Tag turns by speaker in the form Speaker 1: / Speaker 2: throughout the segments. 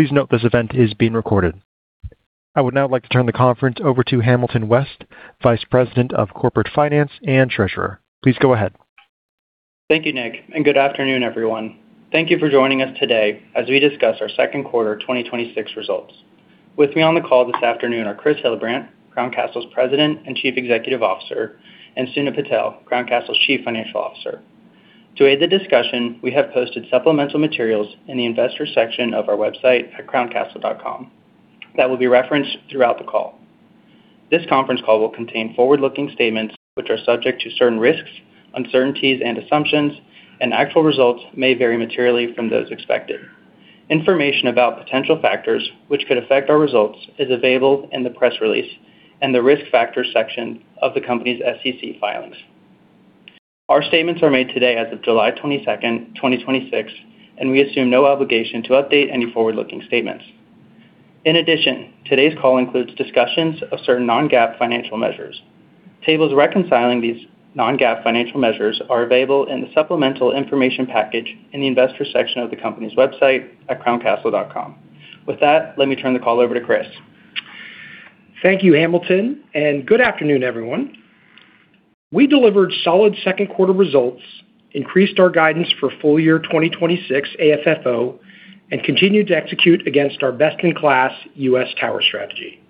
Speaker 1: Please note this event is being recorded. I would now like to turn the conference over to Hamilton West, Vice President of Corporate Finance and Treasurer. Please go ahead.
Speaker 2: Thank you, Nick. Good afternoon, everyone. Thank you for joining us today as we discuss our second quarter 2026 results. With me on the call this afternoon are Chris Hillabrant, Crown Castle's President and Chief Executive Officer, and Sunit Patel, Crown Castle's Chief Financial Officer. To aid the discussion, we have posted supplemental materials in the investors section of our website at crowncastle.com that will be referenced throughout the call. This conference call will contain forward-looking statements, which are subject to certain risks, uncertainties, and assumptions, and actual results may vary materially from those expected. Information about potential factors which could affect our results is available in the press release and the risk factors section of the company's SEC filings. Our statements are made today as of July 22nd, 2026, and we assume no obligation to update any forward-looking statements. In addition, today's call includes discussions of certain non-GAAP financial measures. Tables reconciling these non-GAAP financial measures are available in the supplemental information package in the investor section of the company's website at crowncastle.com. With that, let me turn the call over to Chris.
Speaker 3: Thank you, Hamilton. Good afternoon, everyone. We delivered solid second-quarter results, increased our guidance for full-year 2026 AFFO, and continued to execute against our best-in-class U.S. tower strategy.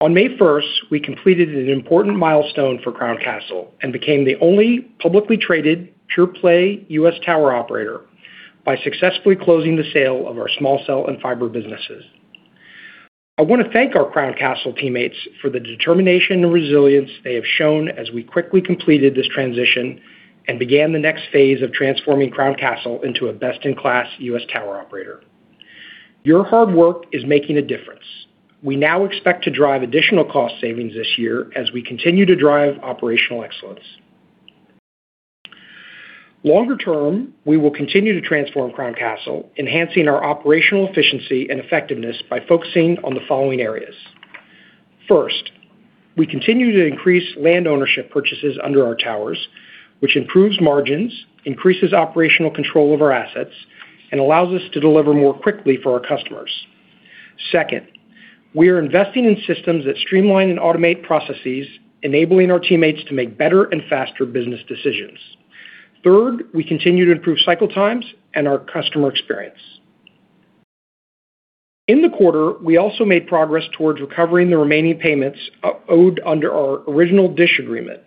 Speaker 3: On May 1st, we completed an important milestone for Crown Castle and became the only publicly traded pure-play U.S. tower operator by successfully closing the sale of our small cell and fiber businesses. I want to thank our Crown Castle teammates for the determination and resilience they have shown as we quickly completed this transition and began the next phase of transforming Crown Castle into a best-in-class U.S. tower operator. Your hard work is making a difference. We now expect to drive additional cost savings this year as we continue to drive operational excellence. Longer term, we will continue to transform Crown Castle, enhancing our operational efficiency and effectiveness by focusing on the following areas. First, we continue to increase land ownership purchases under our towers, which improves margins, increases operational control of our assets, and allows us to deliver more quickly for our customers. Second, we are investing in systems that streamline and automate processes, enabling our teammates to make better and faster business decisions. Third, we continue to improve cycle times and our customer experience. In the quarter, we also made progress towards recovering the remaining payments owed under our original DISH agreement.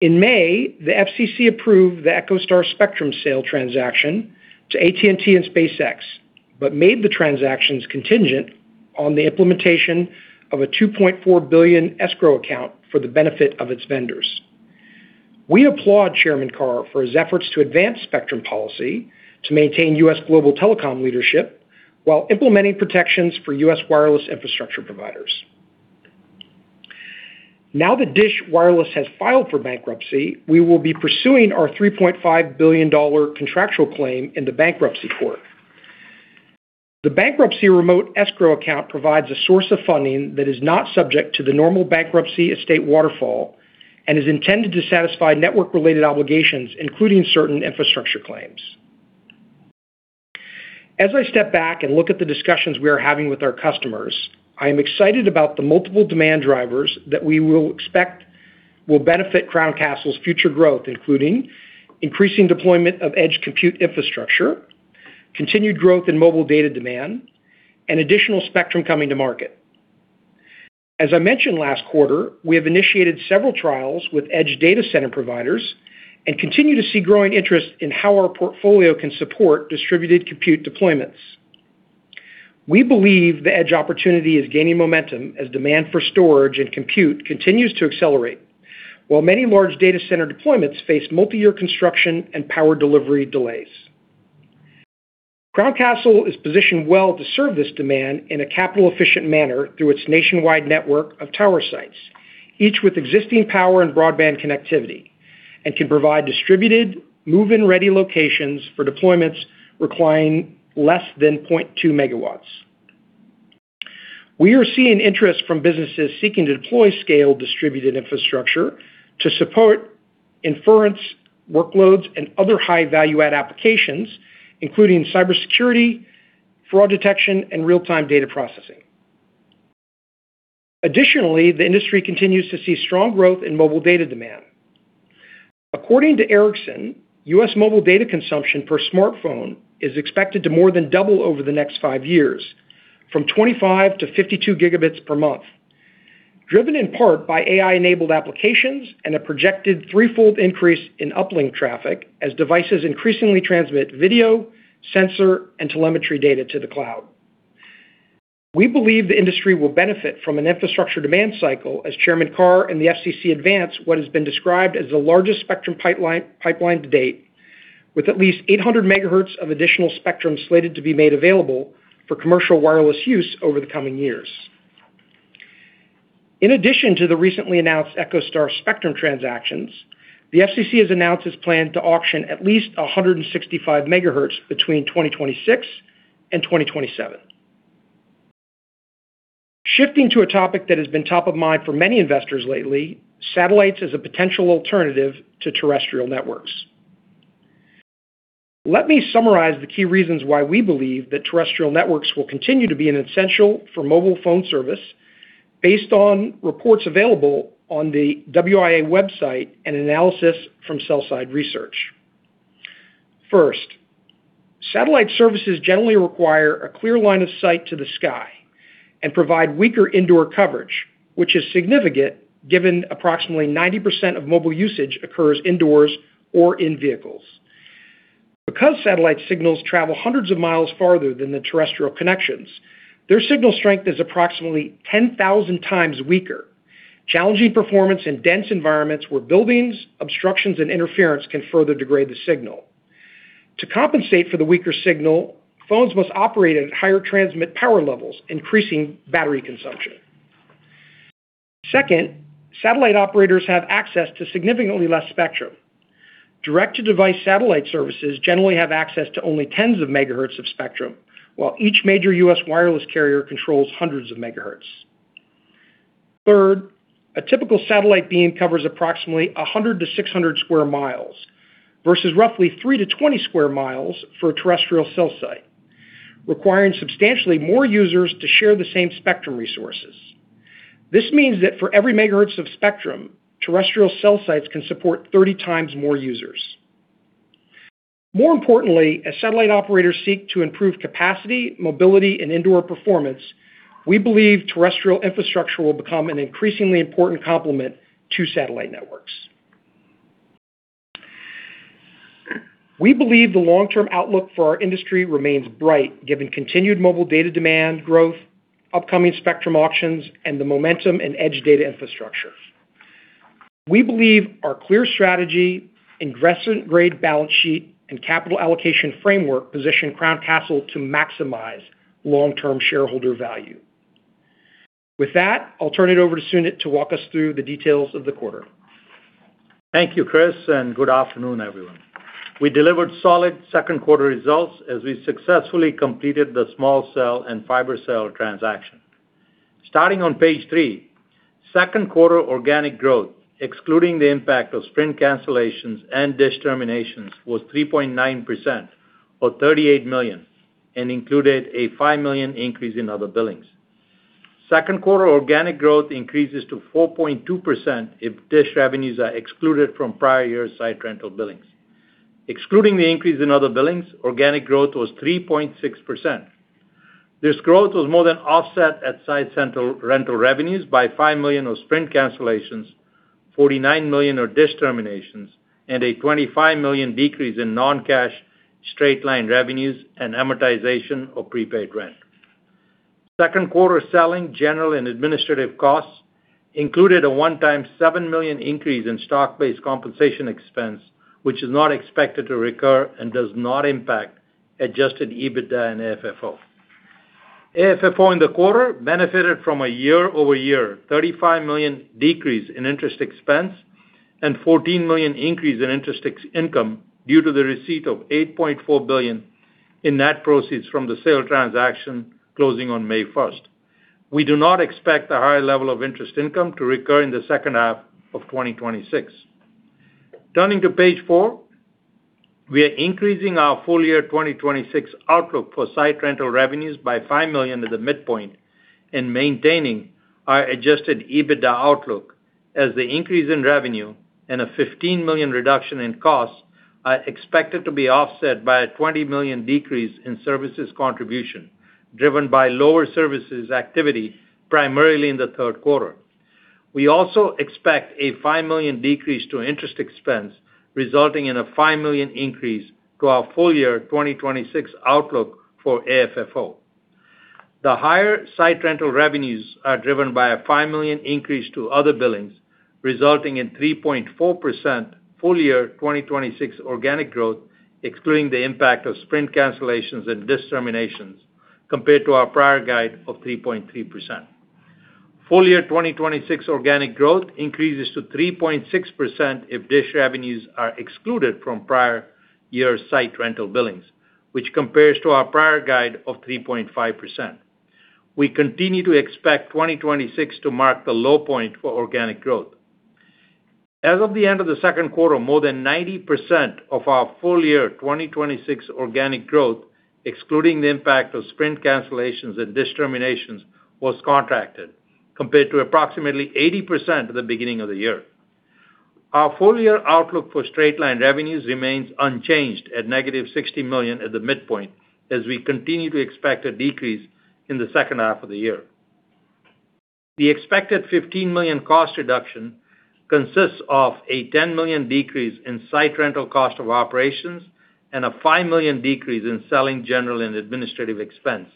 Speaker 3: In May, the FCC approved the EchoStar spectrum sale transaction to AT&T and SpaceX but made the transactions contingent on the implementation of a $2.4 billion escrow account for the benefit of its vendors. We applaud Chairman Carr for his efforts to advance spectrum policy to maintain U.S. global telecom leadership while implementing protections for U.S. wireless infrastructure providers. Now that DISH Wireless has filed for bankruptcy, we will be pursuing our $3.5 billion contractual claim in the bankruptcy court. The bankruptcy remote escrow account provides a source of funding that is not subject to the normal bankruptcy estate waterfall and is intended to satisfy network-related obligations, including certain infrastructure claims. As I step back and look at the discussions we are having with our customers, I am excited about the multiple demand drivers that we expect will benefit Crown Castle's future growth, including increasing deployment of edge compute infrastructure, continued growth in mobile data demand, and additional spectrum coming to market. As I mentioned last quarter, we have initiated several trials with edge data center providers and continue to see growing interest in how our portfolio can support distributed compute deployments. We believe the edge opportunity is gaining momentum as demand for storage and compute continues to accelerate, while many large data center deployments face multi-year construction and power delivery delays. Crown Castle is positioned well to serve this demand in a capital-efficient manner through its nationwide network of tower sites, each with existing power and broadband connectivity, and can provide distributed move-in-ready locations for deployments requiring less than 0.2 MW. We are seeing interest from businesses seeking to deploy scale distributed infrastructure to support inference workloads and other high-value-add applications, including cybersecurity, fraud detection, and real-time data processing. Additionally, the industry continues to see strong growth in mobile data demand. According to Ericsson, U.S. mobile data consumption per smartphone is expected to more than double over the next five years, from 25 Gb-52 Gb per month, driven in part by AI-enabled applications and a projected threefold increase in uplink traffic as devices increasingly transmit video, sensor, and telemetry data to the cloud. We believe the industry will benefit from an infrastructure demand cycle as Chairman Carr and the FCC advance what has been described as the largest spectrum pipeline to date, with at least 800 MHz of additional spectrum slated to be made available for commercial wireless use over the coming years. In addition to the recently announced EchoStar spectrum transactions, the FCC has announced its plan to auction at least 165 MHz between 2026 and 2027. Shifting to a topic that has been top of mind for many investors lately, satellites as a potential alternative to terrestrial networks. Let me summarize the key reasons why we believe that terrestrial networks will continue to be an essential for mobile phone service based on reports available on the WIA website and analysis from cell site research. First, satellite services generally require a clear line of sight to the sky and provide weaker indoor coverage, which is significant given approximately 90% of mobile usage occurs indoors or in vehicles. Because satellite signals travel hundreds of miles farther than the terrestrial connections, their signal strength is approximately 10,000 times weaker, challenging performance in dense environments where buildings, obstructions, and interference can further degrade the signal. To compensate for the weaker signal, phones must operate at higher transmit power levels, increasing battery consumption. Second, satellite operators have access to significantly less spectrum. Direct-to-device satellite services generally have access to only 10 MHz of spectrum, while each major U.S. wireless carrier controls 100 MHz. Third, a typical satellite beam covers approximately 100 sq mi-600 sq mi versus roughly 3 sq mi-20 sq mi for a terrestrial cell site, requiring substantially more users to share the same spectrum resources. This means that for every megahertz of spectrum, terrestrial cell sites can support 30x more users. More importantly, as satellite operators seek to improve capacity, mobility, and indoor performance, we believe terrestrial infrastructure will become an increasingly important complement to satellite networks. We believe the long-term outlook for our industry remains bright given continued mobile data demand growth, upcoming spectrum auctions, and the momentum in edge data infrastructure. We believe our clear strategy, investment-grade balance sheet, and capital allocation framework position Crown Castle to maximize long-term shareholder value. With that, I'll turn it over to Sunit to walk us through the details of the quarter.
Speaker 4: Thank you, Chris, good afternoon, everyone. We delivered solid second quarter results as we successfully completed the small cell and fiber sale transaction. Starting on page three, second quarter organic growth, excluding the impact of Sprint cancellations and DISH terminations, was 3.9% or $38 million, and included a $5 million increase in other billings. Second quarter organic growth increases to 4.2% if DISH revenues are excluded from prior year site rental billings. Excluding the increase in other billings, organic growth was 3.6%. This growth was more than offset at site rental revenues by $5 million of Sprint cancellations, $49 million of DISH terminations, and a $25 million decrease in non-cash straight-line revenues and amortization of prepaid rent. Second quarter selling, general, and administrative costs included a one-time $7 million increase in stock-based compensation expense, which is not expected to recur and does not impact adjusted EBITDA and AFFO. AFFO in the quarter benefited from a year-over-year $35 million decrease in interest expense and $14 million increase in interest income due to the receipt of $8.4 billion in net proceeds from the sale transaction closing on May 1st. We do not expect the high level of interest income to recur in the second half of 2026. Turning to page four, we are increasing our full year 2026 outlook for site rental revenues by $5 million at the midpoint and maintaining our adjusted EBITDA outlook as the increase in revenue and a $15 million reduction in costs are expected to be offset by a $20 million decrease in services contribution, driven by lower services activity primarily in the third quarter. We also expect a $5 million decrease to interest expense, resulting in a $5 million increase to our full year 2026 outlook for AFFO. The higher site rental revenues are driven by a $5 million increase to other billings, resulting in 3.4% full year 2026 organic growth, excluding the impact of Sprint cancellations and DISH terminations, compared to our prior guide of 3.3%. Full year 2026 organic growth increases to 3.6% if DISH revenues are excluded from prior year site rental billings, which compares to our prior guide of 3.5%. We continue to expect 2026 to mark the low point for organic growth. As of the end of the second quarter, more than 90% of our full year 2026 organic growth, excluding the impact of Sprint cancellations and DISH terminations, was contracted, compared to approximately 80% at the beginning of the year. Our full year outlook for straight-line revenues remains unchanged at negative $60 million at the midpoint as we continue to expect a decrease in the second half of the year. The expected $15 million cost reduction consists of a $10 million decrease in site rental cost of operations and a $5 million decrease in selling, general and administrative expense,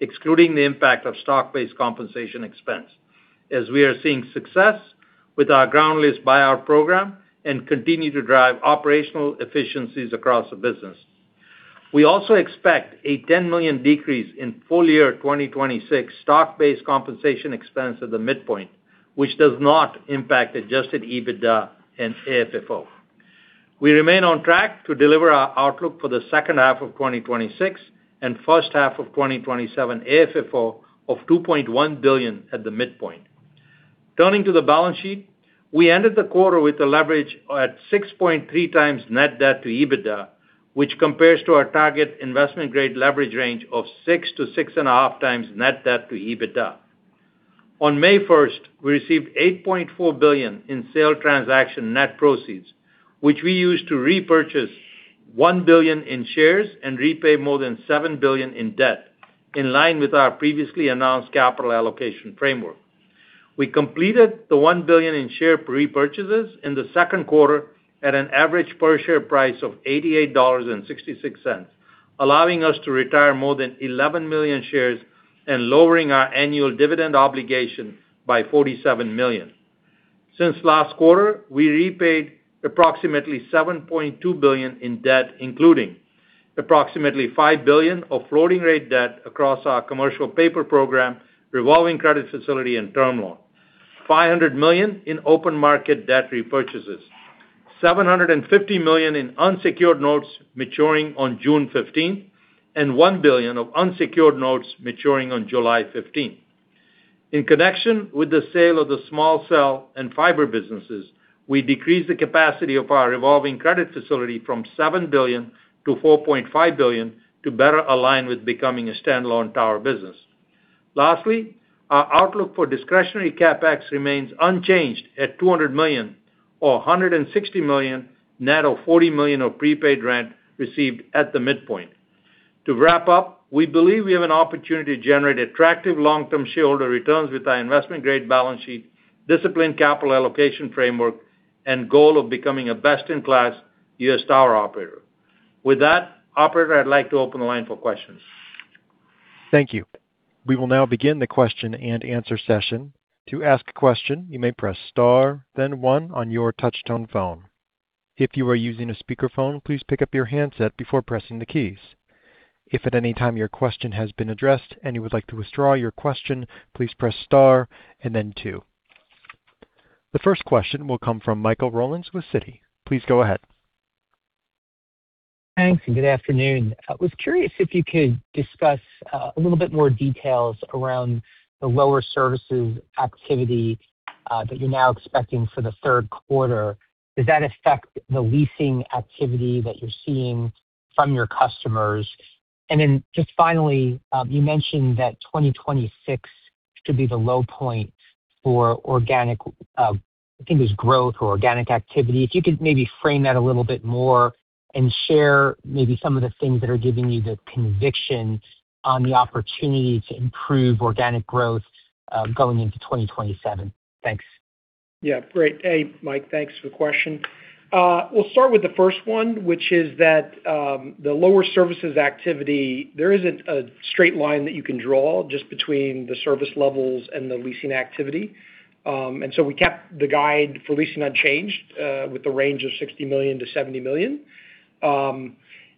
Speaker 4: excluding the impact of stock-based compensation expense as we are seeing success with our ground lease buyout program and continue to drive operational efficiencies across the business. We also expect a $10 million decrease in full year 2026 stock-based compensation expense at the midpoint, which does not impact adjusted EBITDA and AFFO. We remain on track to deliver our outlook for the second half of 2026 and first half of 2027 AFFO of $2.1 billion at the midpoint. Turning to the balance sheet, we ended the quarter with the leverage at 6.3x net debt to EBITDA, which compares to our target investment-grade leverage range of 6x-6.5x net debt to EBITDA. On May 1st, we received $8.4 billion in sale transaction net proceeds, which we used to repurchase $1 billion in shares and repay more than $7 billion in debt, in line with our previously announced capital allocation framework. We completed the $1 billion in share repurchases in the second quarter at an average per-share price of $88.66, allowing us to retire more than 11 million shares and lowering our annual dividend obligation by $47 million. Since last quarter, we repaid approximately $7.2 billion in debt, including approximately $5 billion of floating rate debt across our commercial paper program, revolving credit facility, and term loan, $500 million in open market debt repurchases, $750 million in unsecured notes maturing on June 15th, and $1 billion of unsecured notes maturing on July 15th. In connection with the sale of the small cell and fiber businesses, we decreased the capacity of our revolving credit facility from $7 billion-$4.5 billion to better align with becoming a standalone tower business. Lastly, our outlook for discretionary CapEx remains unchanged at $200 million, or $160 million net of $40 million of prepaid rent received at the midpoint. To wrap up, we believe we have an opportunity to generate attractive long-term shareholder returns with our investment-grade balance sheet, disciplined capital allocation framework, and goal of becoming a best-in-class U.S. tower operator. With that, operator, I'd like to open the line for questions.
Speaker 1: Thank you. We will now begin the question-and-answer session. To ask a question, you may press star then one on your touchtone phone. If you are using a speakerphone, please pick up your handset before pressing the keys. If at any time your question has been addressed and you would like to withdraw your question, please press star and then two. The first question will come from Michael Rollins with Citi. Please go ahead.
Speaker 5: Thanks. Good afternoon. I was curious if you could discuss a little bit more details around the lower services activity that you're now expecting for the third quarter. Does that affect the leasing activity that you're seeing from your customers? Then just finally, you mentioned that 2026 should be the low point for organic, I think it was growth or organic activity. If you could maybe frame that a little bit more and share maybe some of the things that are giving you the conviction on the opportunity to improve organic growth going into 2027? Thanks.
Speaker 3: Yeah. Great. Hey, Mike. Thanks for the question. We'll start with the first one, which is that the lower services activity, there isn't a straight line that you can draw just between the service levels and the leasing activity. So we kept the guide for leasing unchanged with the range of $60 million-$70 million.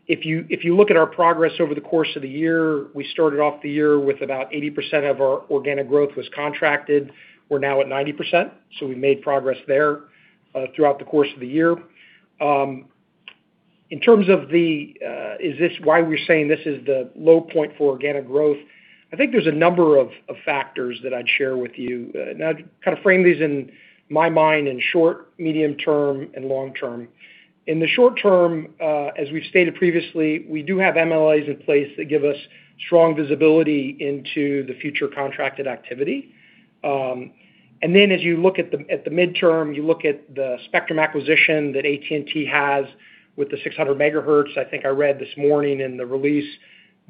Speaker 3: If you look at our progress over the course of the year, we started off the year with about 80% of our organic growth was contracted. We're now at 90%, so we made progress there throughout the course of the year. In terms of why we're saying this is the low point for organic growth, I think there's a number of factors that I'd share with you. I'd frame these in my mind in short, medium-term, and long-term. In the short-term, as we've stated previously, we do have MLIs in place that give us strong visibility into the future contracted activity. As you look at the midterm, you look at the spectrum acquisition that AT&T has with the 600 MHz. I think I read this morning in the release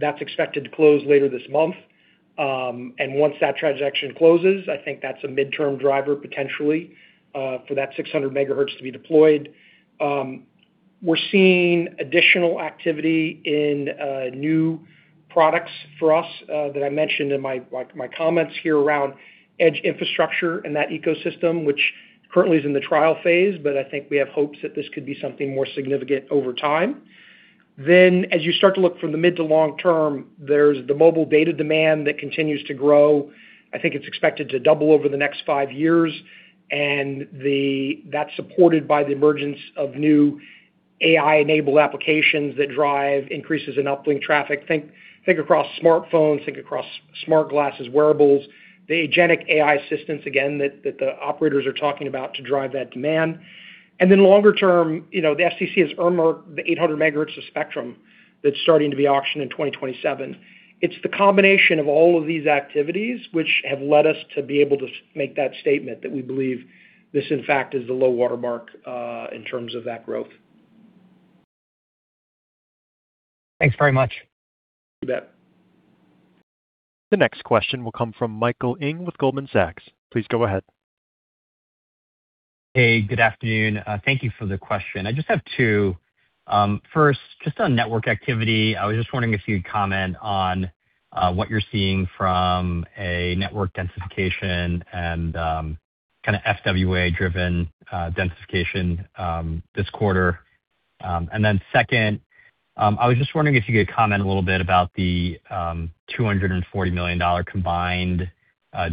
Speaker 3: that's expected to close later this month. Once that transaction closes, I think that's a midterm driver potentially for that 600 MHz to be deployed. We're seeing additional activity in new products for us that I mentioned in my comments here around edge infrastructure and that ecosystem, which currently is in the trial phase, but I think we have hopes that this could be something more significant over time. As you start to look from the mid to long term, there's the mobile data demand that continues to grow. I think it's expected to double over the next five years, and that's supported by the emergence of new AI-enabled applications that drive increases in uplink traffic. Think across smartphones, think across smart glasses, wearables, the agentic AI assistants, again, that the operators are talking about to drive that demand. Longer term, the FCC has earmarked the 800 MHz of spectrum that's starting to be auctioned in 2027. It's the combination of all of these activities which have led us to be able to make that statement that we believe this, in fact, is the low water mark in terms of that growth.
Speaker 5: Thanks very much.
Speaker 3: You bet.
Speaker 1: The next question will come from Michael Ng with Goldman Sachs. Please go ahead.
Speaker 6: Hey, good afternoon. Thank you for the question. I just have two. First, just on network activity, I was just wondering if you'd comment on what you're seeing from a network densification and kind of FWA-driven densification this quarter. Second, I was just wondering if you could comment a little bit about the $240 million combined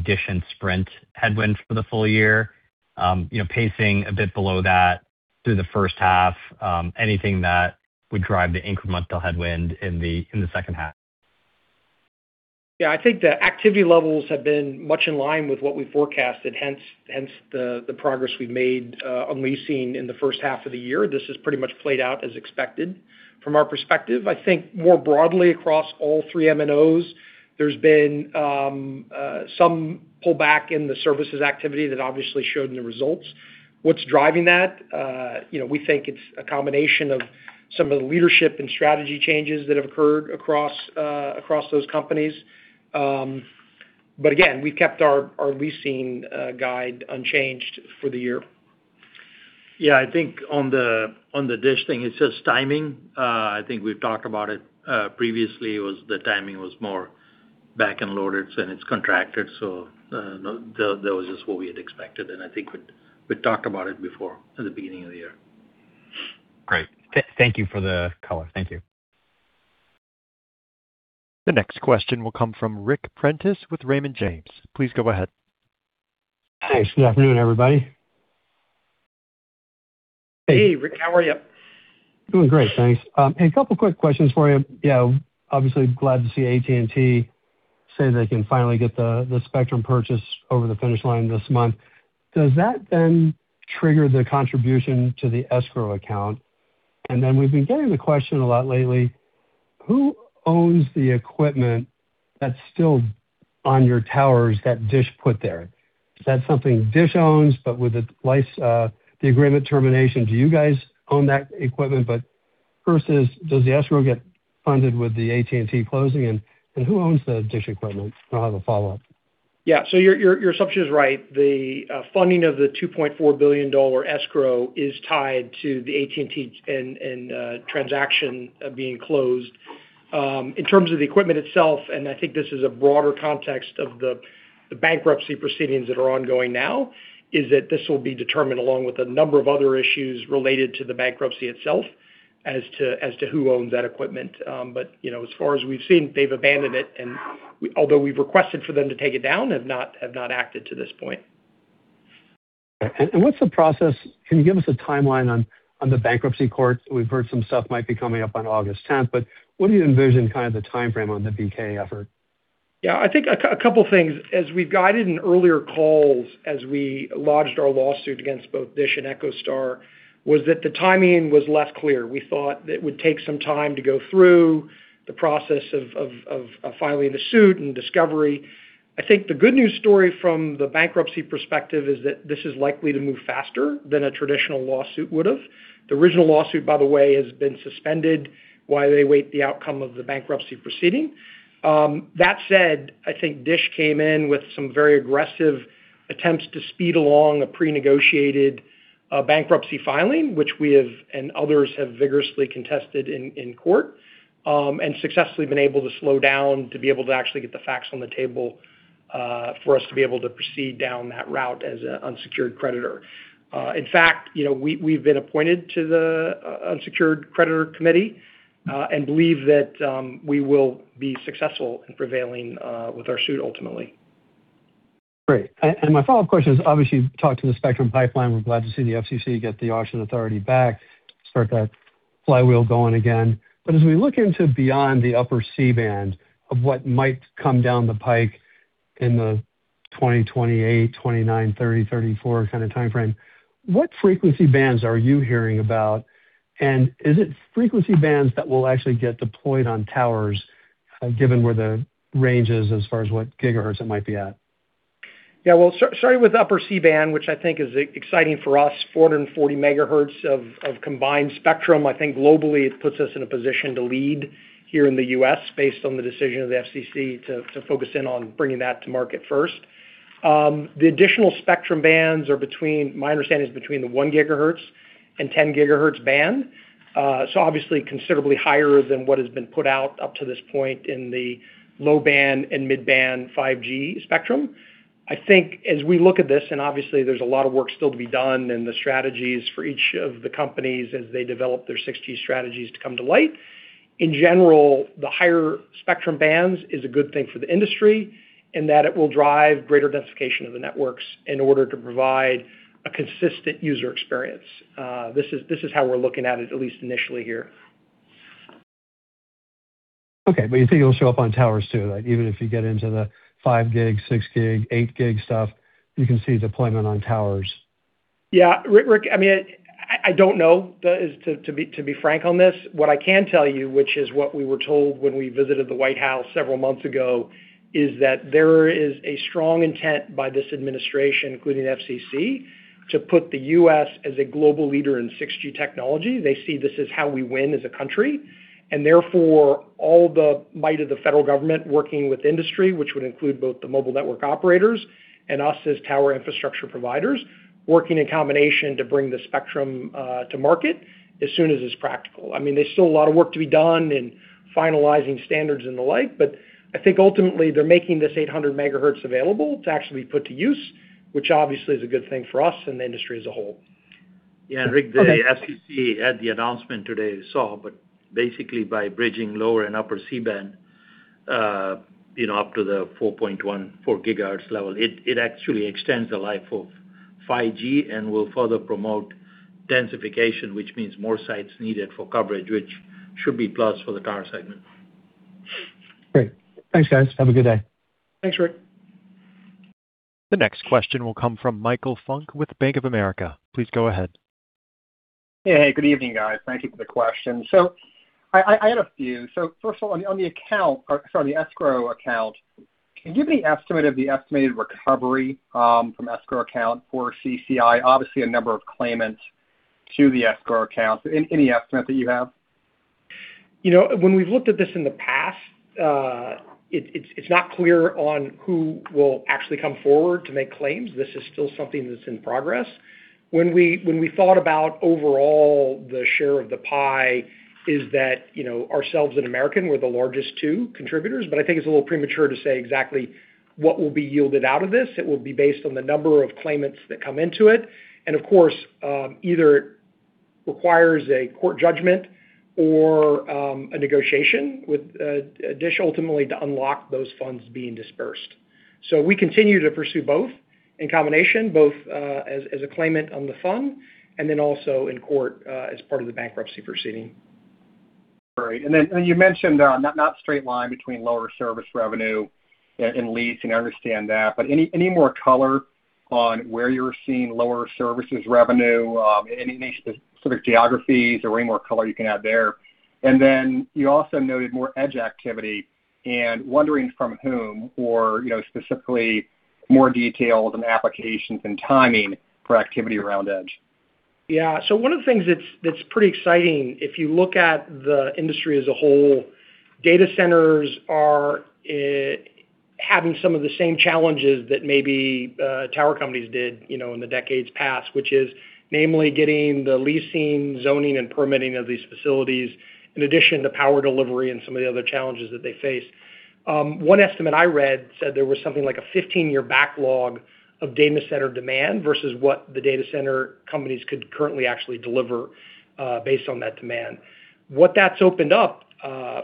Speaker 6: DISH and Sprint headwinds for the full year, pacing a bit below that through the first half, anything that would drive the incremental headwind in the second half?
Speaker 3: Yeah, I think the activity levels have been much in line with what we forecasted, hence the progress we've made on leasing in the first half of the year. This has pretty much played out as expected from our perspective. I think more broadly across all three MNOs, there's been some pullback in the services activity that obviously showed in the results. What's driving that? We think it's a combination of some of the leadership and strategy changes that have occurred across those companies. Again, we kept our leasing guide unchanged for the year.
Speaker 4: Yeah, I think on the DISH thing, it's just timing. I think we've talked about it previously, was the timing was more back-end loaded and it's contracted. That was just what we had expected, and I think we talked about it before at the beginning of the year.
Speaker 6: Great. Thank you for the color. Thank you.
Speaker 1: The next question will come from Ric Prentiss with Raymond James. Please go ahead.
Speaker 7: Thanks. Good afternoon, everybody.
Speaker 3: Hey, Ric. How are you?
Speaker 7: Doing great, thanks. Hey, a couple quick questions for you. Obviously glad to see AT&T say they can finally get the spectrum purchase over the finish line this month. Does that trigger the contribution to the escrow account? We've been getting the question a lot lately, who owns the equipment that's still on your towers that DISH put there? Is that something DISH owns, with the agreement termination, do you guys own that equipment? First is, does the escrow get funded with the AT&T closing, and who owns the DISH equipment? I'll have a follow-up.
Speaker 3: Your assumption is right. The funding of the $2.4 billion escrow is tied to the AT&T transaction being closed. In terms of the equipment itself, I think this is a broader context of the bankruptcy proceedings that are ongoing now, is that this will be determined along with a number of other issues related to the bankruptcy itself as to who owns that equipment. As far as we've seen, they've abandoned it and although we've requested for them to take it down, have not acted to this point.
Speaker 7: What's the process? Can you give us a timeline on the bankruptcy court? We've heard some stuff might be coming up on August 10th, what do you envision kind of the timeframe on the BK effort?
Speaker 3: A couple things. As we've guided in earlier calls as we lodged our lawsuit against both DISH and EchoStar, was that the timing was less clear. We thought that it would take some time to go through the process of filing the suit and discovery. The good news story from the bankruptcy perspective is that this is likely to move faster than a traditional lawsuit would've. The original lawsuit, by the way, has been suspended while they await the outcome of the bankruptcy proceeding. DISH came in with some very aggressive attempts to speed along a prenegotiated bankruptcy filing, which we have and others have vigorously contested in court, and successfully been able to slow down to be able to actually get the facts on the table for us to be able to proceed down that route as an unsecured creditor. In fact, we've been appointed to the Unsecured Creditors' Committee, believe that we will be successful in prevailing with our suit ultimately.
Speaker 7: Great. My follow-up question is, obviously you've talked to the spectrum pipeline. We're glad to see the FCC get the auction authority back, start that flywheel going again. As we look into beyond the upper C-band of what might come down the pike in the 2028, 2029, 2030, 2034 kind of timeframe, what frequency bands are you hearing about? Is it frequency bands that will actually get deployed on towers given where the range is as far as what gigahertz it might be at?
Speaker 3: Well, starting with upper C-band, which I think is exciting for us, 440 MHz of combined spectrum. I think globally it puts us in a position to lead here in the U.S. based on the decision of the FCC to focus in on bringing that to market first. The additional spectrum bands are between, my understanding is between the 1 GHz and 10 GHz band. Obviously considerably higher than what has been put out up to this point in the low band and mid band 5G spectrum. I think as we look at this, obviously there's a lot of work still to be done and the strategies for each of the companies as they develop their 6G strategies to come to light. In general, the higher spectrum bands is a good thing for the industry in that it will drive greater densification of the networks in order to provide a consistent user experience. This is how we're looking at it, at least initially here.
Speaker 7: Okay. You think it'll show up on towers too, like even if you get into the 5 gig, 6 gig, 8 gig stuff, you can see deployment on towers?
Speaker 3: Yeah. Ric, I don't know, to be frank on this. What I can tell you, which is what we were told when we visited the White House several months ago, is that there is a strong intent by this administration, including the FCC, to put the U.S. as a global leader in 6G technology. They see this as how we win as a country, therefore, all the might of the federal government working with industry, which would include both the mobile network operators and us as tower infrastructure providers, working in combination to bring the spectrum to market as soon as is practical. There's still a lot of work to be done in finalizing standards and the like, I think ultimately they're making this 800 MHz available to actually be put to use, which obviously is a good thing for us and the industry as a whole.
Speaker 4: Yeah, Ric, the FCC had the announcement today you saw, basically by bridging lower and upper C-band up to the 4.14 GHz level, it actually extends the life of 5G and will further promote densification, which means more sites needed for coverage, which should be plus for the tower segment.
Speaker 7: Great. Thanks, guys. Have a good day.
Speaker 3: Thanks, Ric.
Speaker 1: The next question will come from Michael Funk with Bank of America. Please go ahead.
Speaker 8: Hey. Good evening, guys. Thank you for the question. I had a few. First of all, on the escrow account, can you give me an estimate of the estimated recovery from escrow account for CCI? Obviously, a number of claimants to the escrow account. Any estimate that you have?
Speaker 3: When we've looked at this in the past, it's not clear on who will actually come forward to make claims. This is still something that's in progress. When we thought about overall the share of the pie is that ourselves and American were the largest two contributors, I think it's a little premature to say exactly what will be yielded out of this. It will be based on the number of claimants that come into it. Of course, either requires a court judgment or a negotiation with DISH ultimately to unlock those funds being disbursed. We continue to pursue both in combination, both as a claimant on the fund and then also in court as part of the bankruptcy proceeding.
Speaker 8: Great. You mentioned not straight line between lower service revenue and lease, I understand that, any more color on where you're seeing lower services revenue? Any specific geographies or any more color you can add there? You also noted more edge activity and wondering from whom or specifically more details and applications and timing for activity around edge.
Speaker 3: Yeah. One of the things that's pretty exciting, if you look at the industry as a whole, data centers are having some of the same challenges that maybe tower companies did in the decades past, which is namely getting the leasing, zoning, and permitting of these facilities, in addition to power delivery and some of the other challenges that they face. One estimate I read said there was something like a 15-year backlog of data center demand versus what the data center companies could currently actually deliver based on that demand. What that's opened up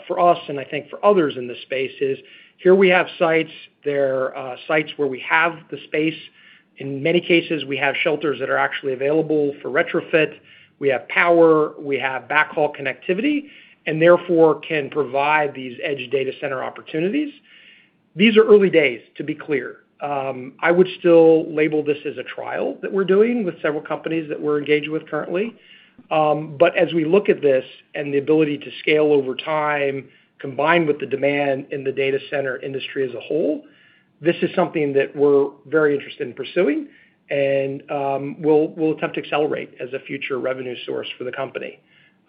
Speaker 3: for us, and I think for others in this space, is here we have sites, they're sites where we have the space. In many cases, we have shelters that are actually available for retrofit. We have power, we have backhaul connectivity, and therefore can provide these edge data center opportunities. These are early days, to be clear. I would still label this as a trial that we're doing with several companies that we're engaged with currently. As we look at this and the ability to scale over time, combined with the demand in the data center industry as a whole, this is something that we're very interested in pursuing and we'll attempt to accelerate as a future revenue source for the company.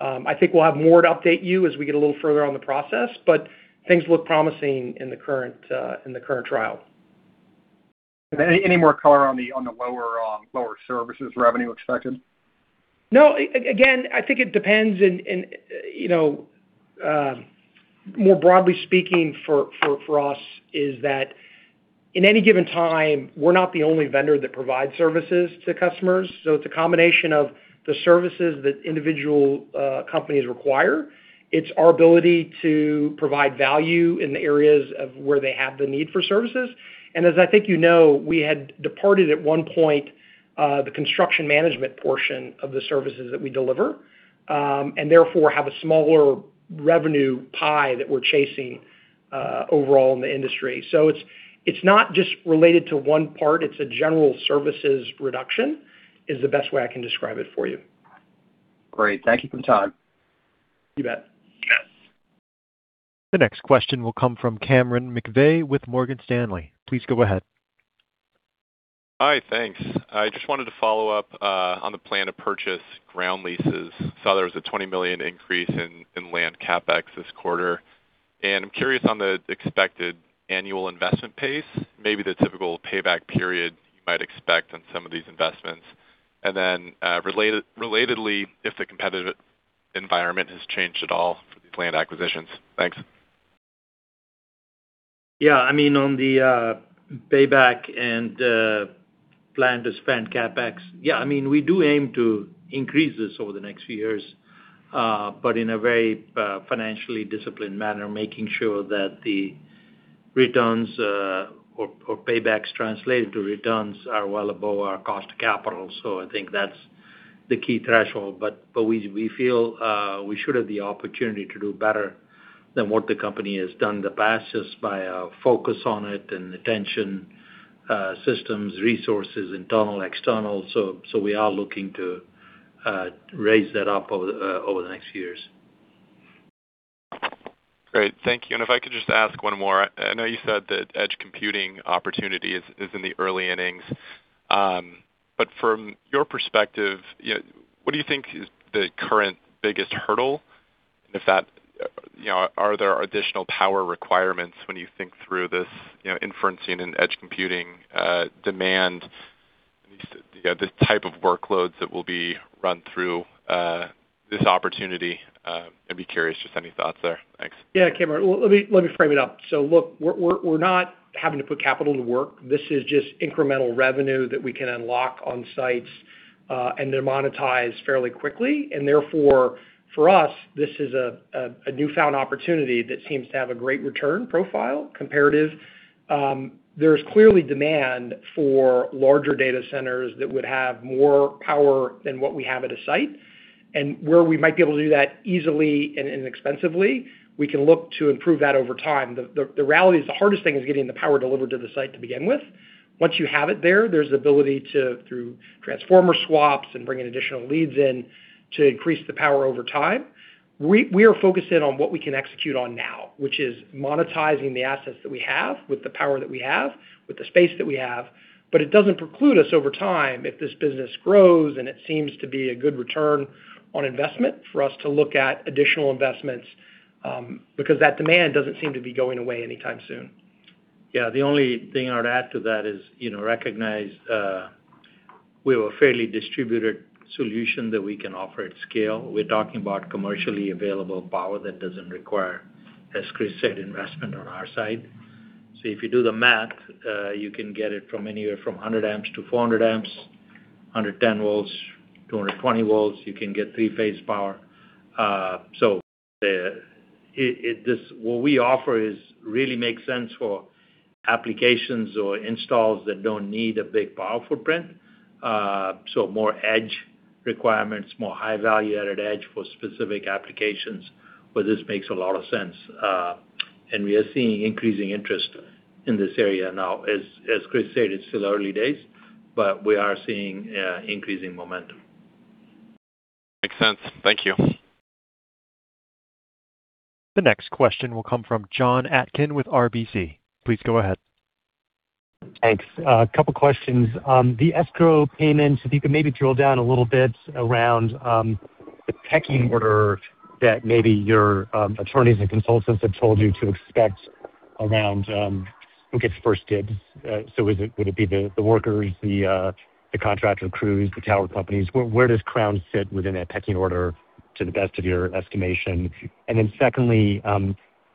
Speaker 3: I think we'll have more to update you as we get a little further on the process, things look promising in the current trial.
Speaker 8: Any more color on the lower services revenue expected?
Speaker 3: No. Again, I think it depends. More broadly speaking for us is that in any given time, we're not the only vendor that provides services to customers. It's a combination of the services that individual companies require. It's our ability to provide value in the areas of where they have the need for services. As I think you know, we had departed at one point, the construction management portion of the services that we deliver. Therefore, have a smaller revenue pie that we're chasing overall in the industry. It's not just related to one part, it's a general services reduction, is the best way I can describe it for you.
Speaker 8: Great. Thank you for the time.
Speaker 3: You bet.
Speaker 8: Yes.
Speaker 1: The next question will come from Cameron McVey with Morgan Stanley. Please go ahead.
Speaker 9: Hi, thanks. I just wanted to follow up on the plan to purchase ground leases. Saw there was a $20 million increase in land CapEx this quarter. I'm curious on the expected annual investment pace, maybe the typical payback period you might expect on some of these investments. Then relatedly, if the competitive environment has changed at all for these land acquisitions? Thanks.
Speaker 4: Yeah. On the payback and plan to spend CapEx. Yeah, we do aim to increase this over the next few years. In a very financially disciplined manner, making sure that the returns, or paybacks translated to returns are well above our cost of capital. I think that's the key threshold. We feel we should have the opportunity to do better than what the company has done in the past, just by our focus on it and attention, systems, resources, internal, external. We are looking to raise that up over the next years.
Speaker 9: Great. Thank you. If I could just ask one more. I know you said that edge computing opportunity is in the early innings. From your perspective, what do you think is the current biggest hurdle? Are there additional power requirements when you think through this inferencing and edge computing demand, the type of workloads that will be run through this opportunity. I'd be curious, just any thoughts there? Thanks.
Speaker 3: Yeah, Cameron. Let me frame it up. Look, we're not having to put capital to work. This is just incremental revenue that we can unlock on sites, and they're monetized fairly quickly. Therefore, for us, this is a newfound opportunity that seems to have a great return profile, comparative. There's clearly demand for larger data centers that would have more power than what we have at a site. Where we might be able to do that easily and inexpensively, we can look to improve that over time. The reality is, the hardest thing is getting the power delivered to the site to begin with. Once you have it there's the ability to, through transformer swaps and bringing additional leads in, to increase the power over time. We are focused in on what we can execute on now, which is monetizing the assets that we have with the power that we have, with the space that we have. It doesn't preclude us over time, if this business grows and it seems to be a good return on investment for us to look at additional investments, because that demand doesn't seem to be going away anytime soon.
Speaker 4: Yeah. The only thing I'd add to that is recognize, we have a fairly distributed solution that we can offer at scale. We're talking about commercially available power that doesn't require, as Chris said, investment on our side. If you do the math, you can get it from anywhere from 100 amps to 400 amps, 110 volts, 220 volts. You can get three-phase power. What we offer really makes sense for applications or installs that don't need a big power footprint. More edge requirements, more high value-added edge for specific applications where this makes a lot of sense. We are seeing increasing interest in this area now. As Chris said, it's still early days, but we are seeing increasing momentum.
Speaker 9: Makes sense. Thank you.
Speaker 1: The next question will come from Jon Atkin with RBC. Please go ahead.
Speaker 10: Thanks. A couple questions. The escrow payments, if you could maybe drill down a little bit around the pecking order that maybe your attorneys and consultants have told you to expect around who gets first dibs. Would it be the workers, the contractor crews, the tower companies? Where does Crown sit within that pecking order to the best of your estimation? Secondly,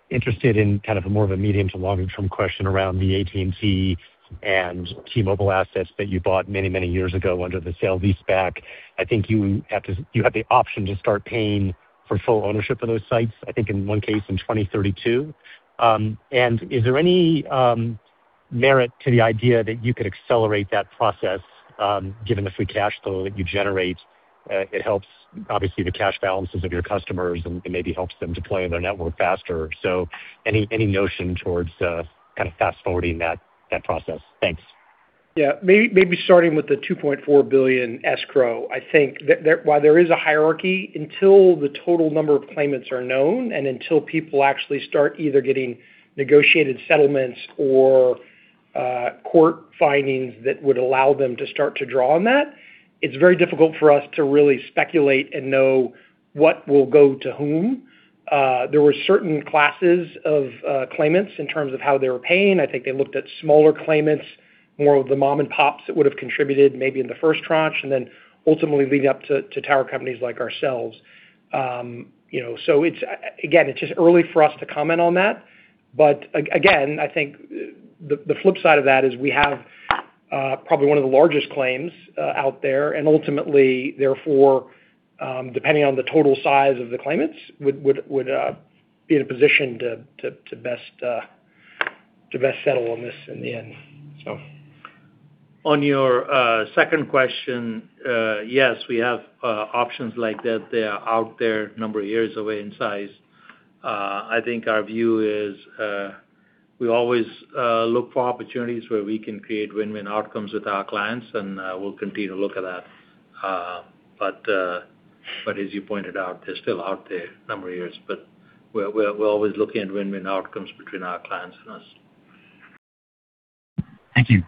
Speaker 10: interested in more of a medium to long-term question around the AT&T and T-Mobile assets that you bought many years ago under the sale lease back. I think you have the option to start paying for full ownership of those sites. I think in one case in 2032. Is there any merit to the idea that you could accelerate that process given the free cash flow that you generate? It helps, obviously, the cash balances of your customers and maybe helps them deploy their network faster. Any notion towards fast-forwarding that process? Thanks.
Speaker 3: Yeah. Maybe starting with the $2.4 billion escrow. I think while there is a hierarchy, until the total number of claimants are known, and until people actually start either getting negotiated settlements or court findings that would allow them to start to draw on that, it's very difficult for us to really speculate and know what will go to whom. There were certain classes of claimants in terms of how they were paying. I think they looked at smaller claimants, more of the mom and pops that would've contributed maybe in the first tranche, and then ultimately leading up to tower companies like ourselves. Again, it's just early for us to comment on that. Again, I think the flip side of that is we have probably one of the largest claims out there, and ultimately, therefore, depending on the total size of the claimants, would be in a position to best settle on this in the end.
Speaker 4: On your second question, yes, we have options like that. They are out there a number of years away in size. I think our view is, we always look for opportunities where we can create win-win outcomes with our clients, and we'll continue to look at that. As you pointed out, they're still out there a number of years, but we're always looking at win-win outcomes between our clients and us.
Speaker 10: Thank you.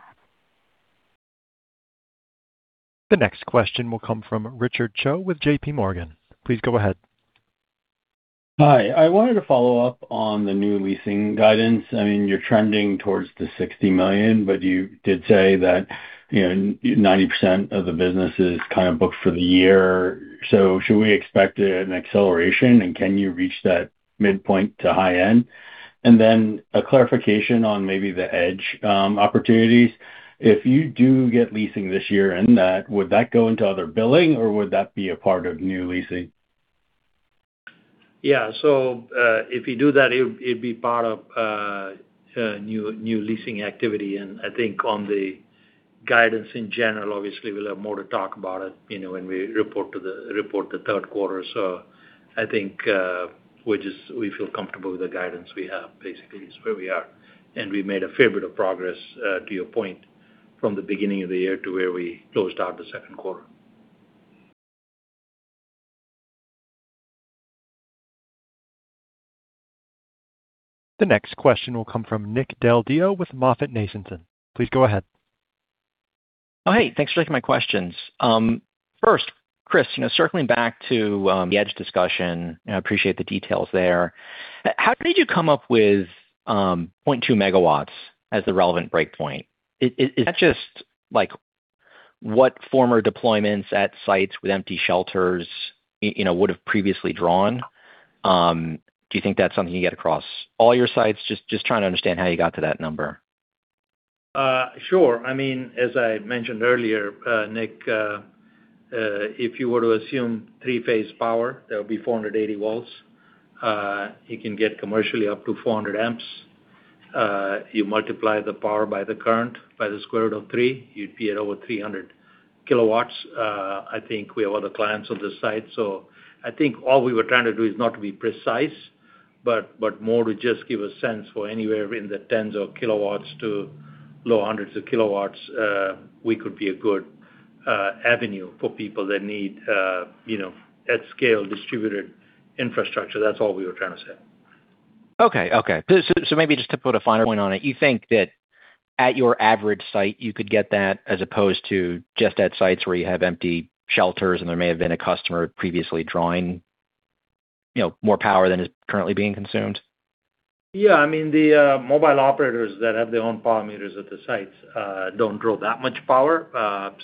Speaker 1: The next question will come from Richard Choe with JPMorgan. Please go ahead.
Speaker 11: Hi. I wanted to follow up on the new leasing guidance. You're trending towards the $60 million, but you did say that 90% of the business is booked for the year. Should we expect an acceleration, and can you reach that midpoint to high end? Then a clarification on maybe the edge opportunities. If you do get leasing this year in that, would that go into other billing or would that be a part of new leasing?
Speaker 4: Yeah. If you do that, it'd be part of new leasing activity. I think on the guidance in general, obviously, we'll have more to talk about it when we report the third quarter. I think we feel comfortable with the guidance we have, basically, is where we are. We made a fair bit of progress, to your point, from the beginning of the year to where we closed out the second quarter.
Speaker 1: The next question will come from Nick Del Deo with MoffettNathanson. Please go ahead.
Speaker 12: Oh, hey. Thanks for taking my questions. First, Chris, circling back to the edge discussion, and I appreciate the details there. How did you come up with 0.2 MW as the relevant breakpoint? Is that just what former deployments at sites with empty shelters would have previously drawn? Do you think that's something you get across all your sites? Just trying to understand how you got to that number?
Speaker 4: Sure. As I mentioned earlier, Nick, if you were to assume three-phase power, that would be 480 volts. You can get commercially up to 400 amps. You multiply the power by the current, by the square root of three, you'd be at over 300 kW. I think we have other clients on the site. I think all we were trying to do is not to be precise, but more to just give a sense for anywhere in the 10 kW to low 100 kW, we could be a good avenue for people that need at scale distributed infrastructure. That's all we were trying to say.
Speaker 12: Okay. Maybe just to put a finer point on it, you think that at your average site, you could get that as opposed to just at sites where you have empty shelters and there may have been a customer previously drawing more power than is currently being consumed?
Speaker 4: Yeah, the mobile operators that have their own power meters at the sites don't draw that much power.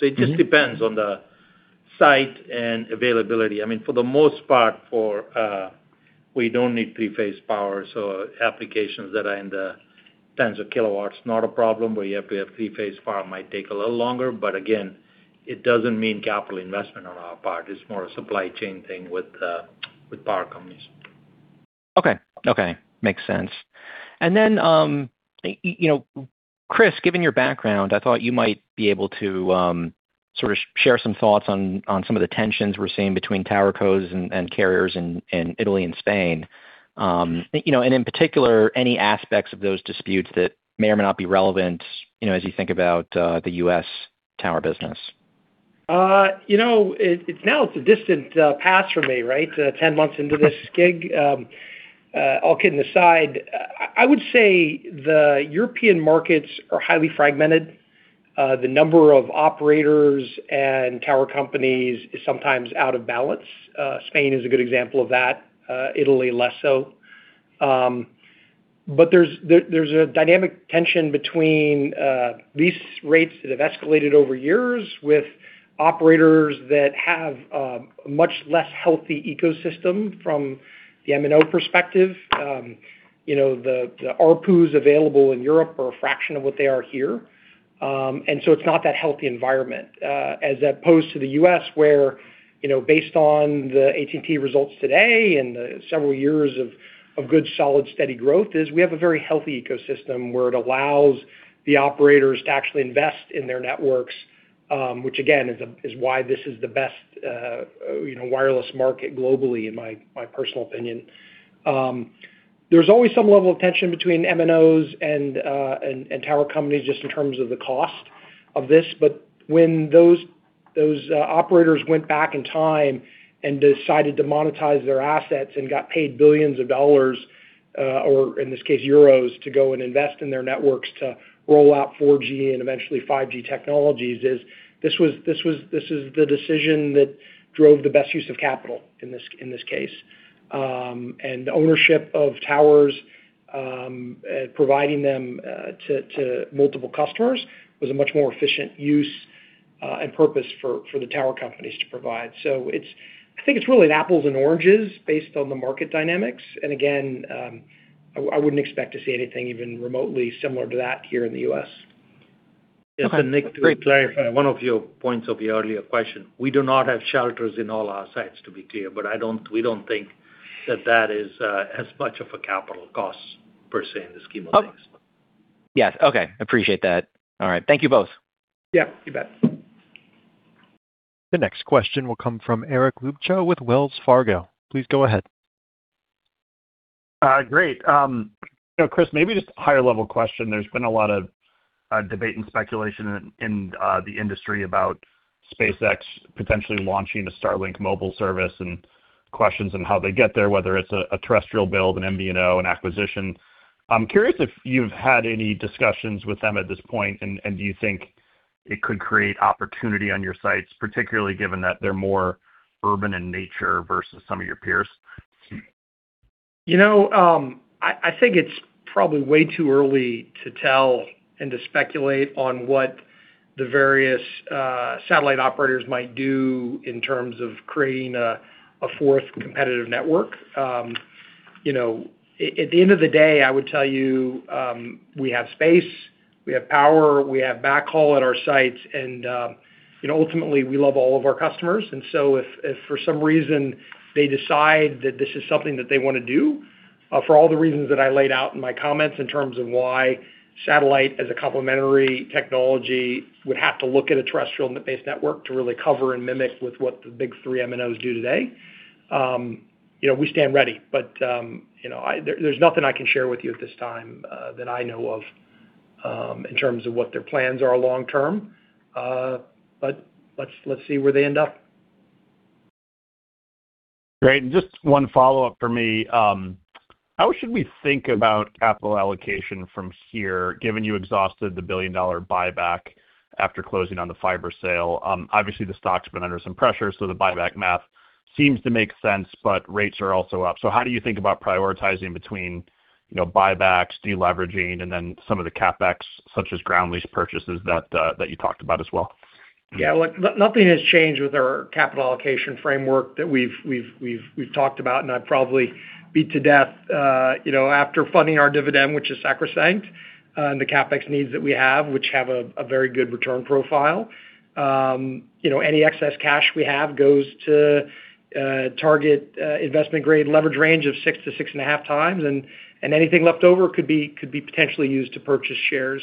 Speaker 4: It just depends on the site and availability. For the most part, we don't need three-phase power, applications that are in the 10 kW, not a problem. Where you have to have three-phase power might take a little longer, again, it doesn't mean capital investment on our part. It's more a supply chain thing with power companies.
Speaker 12: Okay. Makes sense. Then, Chris, given your background, I thought you might be able to share some thoughts on some of the tensions we're seeing between tower cos and carriers in Italy and Spain. In particular, any aspects of those disputes that may or may not be relevant as you think about the U.S. tower business.
Speaker 3: Now it's a distant past for me, 10 months into this gig. All kidding aside, I would say the European markets are highly fragmented. The number of operators and tower companies is sometimes out of balance. Spain is a good example of that, Italy less so. There's a dynamic tension between lease rates that have escalated over years with operators that have a much less healthy ecosystem from the MNO perspective. The ARPUs available in Europe are a fraction of what they are here. It's not that healthy environment, as opposed to the U.S. where, based on the AT&T results today and several years of good, solid, steady growth, is we have a very healthy ecosystem where it allows the operators to actually invest in their networks, which again, is why this is the best wireless market globally, in my personal opinion. There's always some level of tension between MNOs and tower companies just in terms of the cost of this. When those operators went back in time and decided to monetize their assets and got paid billions of dollars, or in this case, euros, to go and invest in their networks to roll out 4G and eventually 5G technologies, this is the decision that drove the best use of capital in this case. The ownership of towers, providing them to multiple customers was a much more efficient use and purpose for the tower companies to provide. I think it's really an apples and oranges based on the market dynamics. Again, I wouldn't expect to see anything even remotely similar to that here in the U.S.
Speaker 12: Okay. Great.
Speaker 4: Yeah. Nick, to clarify one of your points of your earlier question, we do not have shelters in all our sites, to be clear, but we don't think that that is as much of a capital cost, per se, in the scheme of things.
Speaker 12: Yes. Okay. Appreciate that. All right. Thank you both.
Speaker 3: Yeah, you bet.
Speaker 1: The next question will come from Eric Luebchow with Wells Fargo. Please go ahead.
Speaker 13: Great. Chris, maybe just a higher-level question. There has been a lot of debate and speculation in the industry about SpaceX potentially launching a Starlink mobile service and questions on how they get there, whether it is a terrestrial build, an MVNO, an acquisition. I am curious if you have had any discussions with them at this point, and do you think it could create opportunity on your sites, particularly given that they are more urban in nature versus some of your peers?
Speaker 3: I think it's probably way too early to tell and to speculate on what the various satellite operators might do in terms of creating a fourth competitive network. At the end of the day, I would tell you we have space, we have power, we have backhaul at our sites. Ultimately, we love all of our customers. So if for some reason they decide that this is something that they want to do, for all the reasons that I laid out in my comments in terms of why satellite as a complementary technology would have to look at a terrestrial-based network to really cover and mimic with what the big three MNOs do today, we stand ready. There's nothing I can share with you at this time that I know of in terms of what their plans are long term. Let's see where they end up.
Speaker 13: Great. Just one follow-up from me. How should we think about capital allocation from here, given you exhausted the billion-dollar buyback? After closing on the fiber sale, obviously the stock's been under some pressure, so the buyback math seems to make sense, but rates are also up. How do you think about prioritizing between buybacks, de-leveraging, and then some of the CapEx, such as ground lease purchases that you talked about as well?
Speaker 3: Nothing has changed with our capital allocation framework that we've talked about, I'd probably beat to death. After funding our dividend, which is sacrosanct, the CapEx needs that we have, which have a very good return profile, any excess cash we have goes to target investment-grade leverage range of 6x-6.5x, anything left over could be potentially used to purchase shares.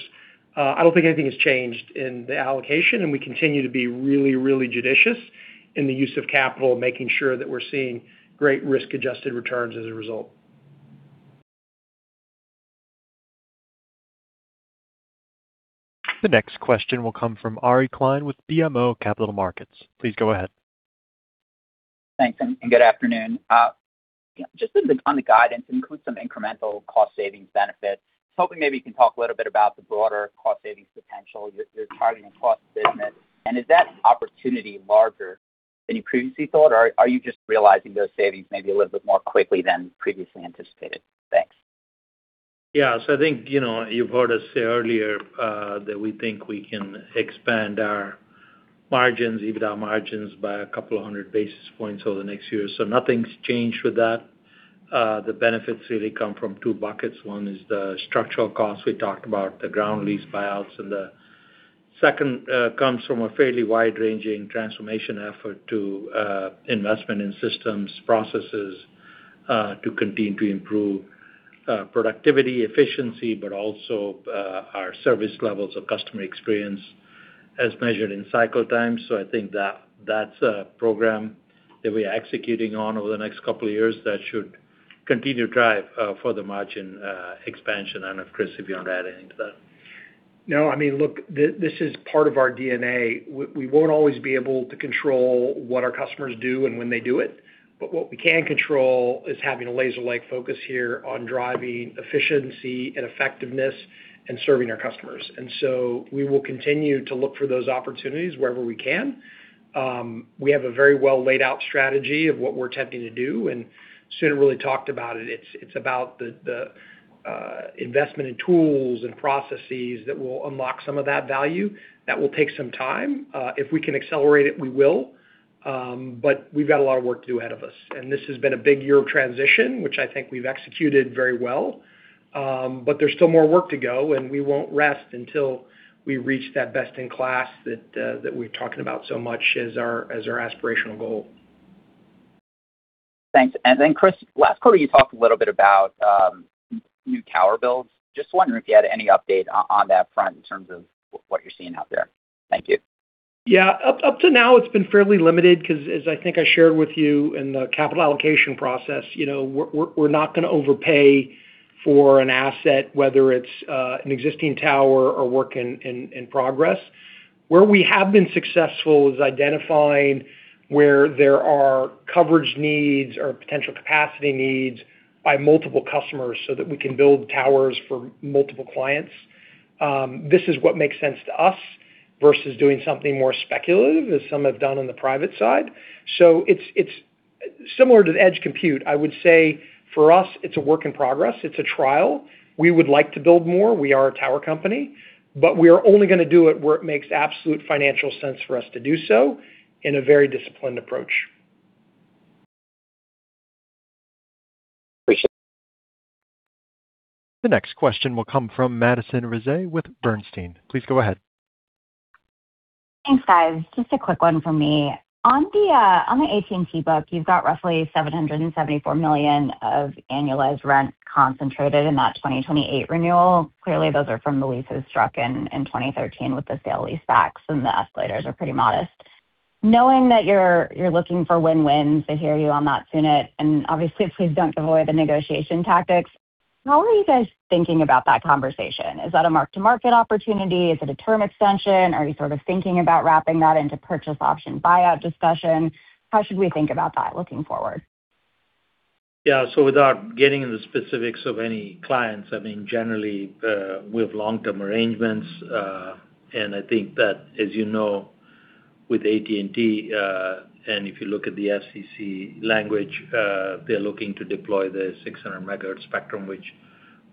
Speaker 3: I don't think anything has changed in the allocation, we continue to be really judicious in the use of capital, making sure that we're seeing great risk-adjusted returns as a result.
Speaker 1: The next question will come from Ari Klein with BMO Capital Markets. Please go ahead.
Speaker 14: Thanks, and good afternoon. Just on the guidance, includes some incremental cost savings benefits. I was hoping maybe you can talk a little bit about the broader cost savings potential. You're targeting a cost business. Is that opportunity larger than you previously thought, or are you just realizing those savings maybe a little bit more quickly than previously anticipated? Thanks.
Speaker 4: Yeah. I think you've heard us say earlier, that we think we can expand our margins, EBITDA margins by a couple of hundred basis points over the next year. Nothing's changed with that. The benefits really come from two buckets. One is the structural costs we talked about, the ground lease buyouts, and the second comes from a fairly wide-ranging transformation effort to investment in systems, processes, to continue to improve productivity, efficiency, but also our service levels of customer experience as measured in cycle times. I think that's a program that we are executing on over the next couple of years that should continue to drive further margin expansion. If Chris, if you want to add anything to that.
Speaker 3: No, look, this is part of our DNA. We won't always be able to control what our customers do and when they do it, but what we can control is having a laser-like focus here on driving efficiency and effectiveness and serving our customers. We will continue to look for those opportunities wherever we can. We have a very well laid out strategy of what we're attempting to do. Sunit really talked about it. It's about the investment in tools and processes that will unlock some of that value. That will take some time. If we can accelerate it, we will. We've got a lot of work to do ahead of us. This has been a big year of transition, which I think we've executed very well. There's still more work to go. We won't rest until we reach that best in class that we've talked about so much as our aspirational goal.
Speaker 14: Thanks. Chris, last quarter you talked a little bit about new tower builds. Just wondering if you had any update on that front in terms of what you're seeing out there? Thank you.
Speaker 3: Yeah. Up to now it's been fairly limited because as I think I shared with you in the capital allocation process, we're not going to overpay for an asset, whether it's an existing tower or work in progress. Where we have been successful is identifying where there are coverage needs or potential capacity needs by multiple customers so that we can build towers for multiple clients. This is what makes sense to us versus doing something more speculative as some have done on the private side. It's similar to edge compute. I would say for us it's a work in progress. It's a trial. We would like to build more. We are a tower company, we are only going to do it where it makes absolute financial sense for us to do so in a very disciplined approach.
Speaker 14: Appreciate it.
Speaker 1: The next question will come from Madison Rezaei with Bernstein. Please go ahead.
Speaker 15: Thanks, guys. Just a quick one from me. On the AT&T book, you've got roughly $774 million of annualized rent concentrated in that 2028 renewal. Clearly those are from the leases struck in 2013 with the sale leasebacks and the escalators are pretty modest. Knowing that you're looking for win-wins, I hear you on that, Sunit, and obviously please don't give away the negotiation tactics. How are you guys thinking about that conversation? Is that a mark-to-market opportunity? Is it a term extension? Are you sort of thinking about wrapping that into purchase option buyout discussion? How should we think about that looking forward?
Speaker 4: Yeah. Without getting into the specifics of any clients, generally, with long-term arrangements, and I think that as you know with AT&T, and if you look at the FCC language, they're looking to deploy the 600 MHz spectrum, which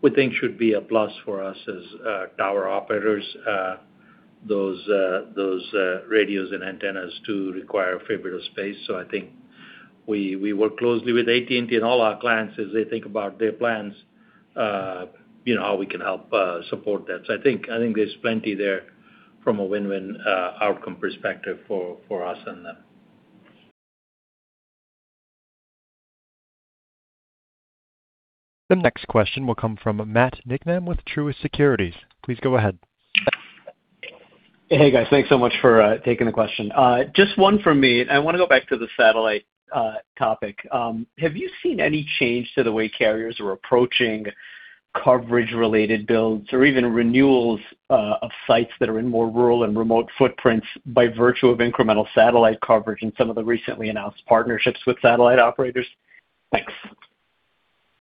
Speaker 4: we think should be a plus for us as tower operators. Those radios and antennas do require a fair bit of space. I think we work closely with AT&T and all our clients as they think about their plans, how we can help support that. I think there's plenty there from a win-win outcome perspective for us and them.
Speaker 1: The next question will come from Matt Niknam with Truist Securities. Please go ahead.
Speaker 16: Hey guys. Thanks so much for taking the question. Just one from me, and I want to go back to the satellite topic. Have you seen any change to the way carriers are approaching coverage-related builds or even renewals of sites that are in more rural and remote footprints by virtue of incremental satellite coverage and some of the recently announced partnerships with satellite operators? Thanks.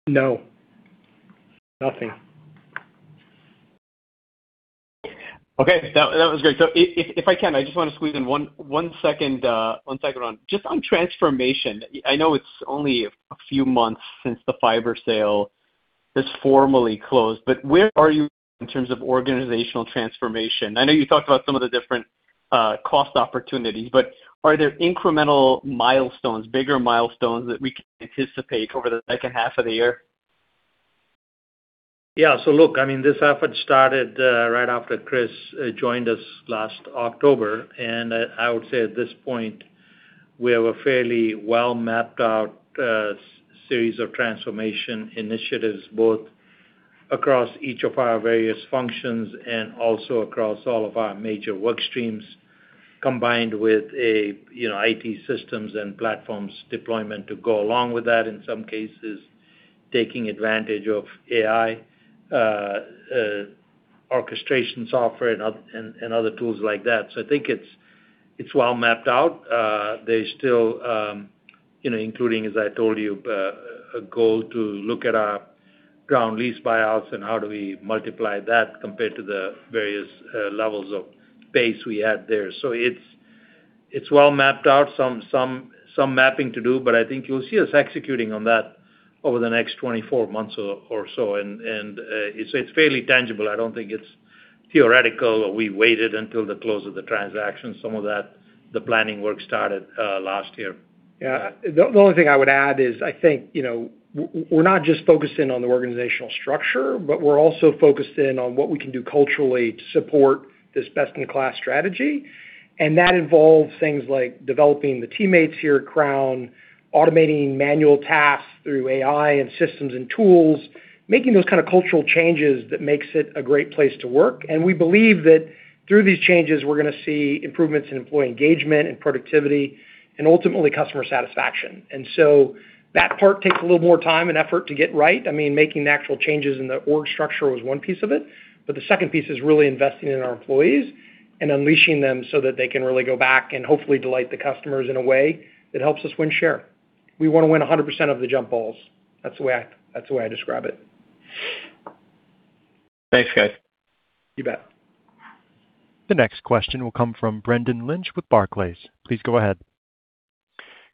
Speaker 3: No. Nothing.
Speaker 16: Okay. That was great. If I can, I just want to squeeze in one second round. Just on transformation, I know it's only a few months since the fiber sale is formally closed, but where are you in terms of organizational transformation? I know you talked about some of the different cost opportunities, but are there incremental milestones, bigger milestones that we can anticipate over the second half of the year?
Speaker 4: Yeah. Look, this effort started right after Chris joined us last October, I would say at this point, we have a fairly well-mapped-out series of transformation initiatives, both across each of our various functions and also across all of our major work streams, combined with IT systems and platforms deployment to go along with that, in some cases, taking advantage of AI orchestration software and other tools like that. I think it's well mapped out. There's still, including, as I told you, a goal to look at our ground lease buyouts and how do we multiply that compared to the various levels of base we had there. It's well mapped out. Some mapping to do, I think you'll see us executing on that over the next 24 months or so. It's fairly tangible. I don't think it's theoretical, we waited until the close of the transaction. Some of that, the planning work started last year.
Speaker 3: Yeah. The only thing I would add is, I think, we're not just focused in on the organizational structure, but we're also focused in on what we can do culturally to support this best-in-class strategy. That involves things like developing the teammates here at Crown, automating manual tasks through AI and systems and tools, making those kind of cultural changes that makes it a great place to work. We believe that through these changes, we're going to see improvements in employee engagement and productivity, and ultimately customer satisfaction. That part takes a little more time and effort to get right. Making the actual changes in the org structure was one piece of it, but the second piece is really investing in our employees and unleashing them so that they can really go back and hopefully delight the customers in a way that helps us win share. We want to win 100% of the jump balls. That's the way I describe it.
Speaker 16: Thanks, guys.
Speaker 3: You bet.
Speaker 1: The next question will come from Brendan Lynch with Barclays. Please go ahead.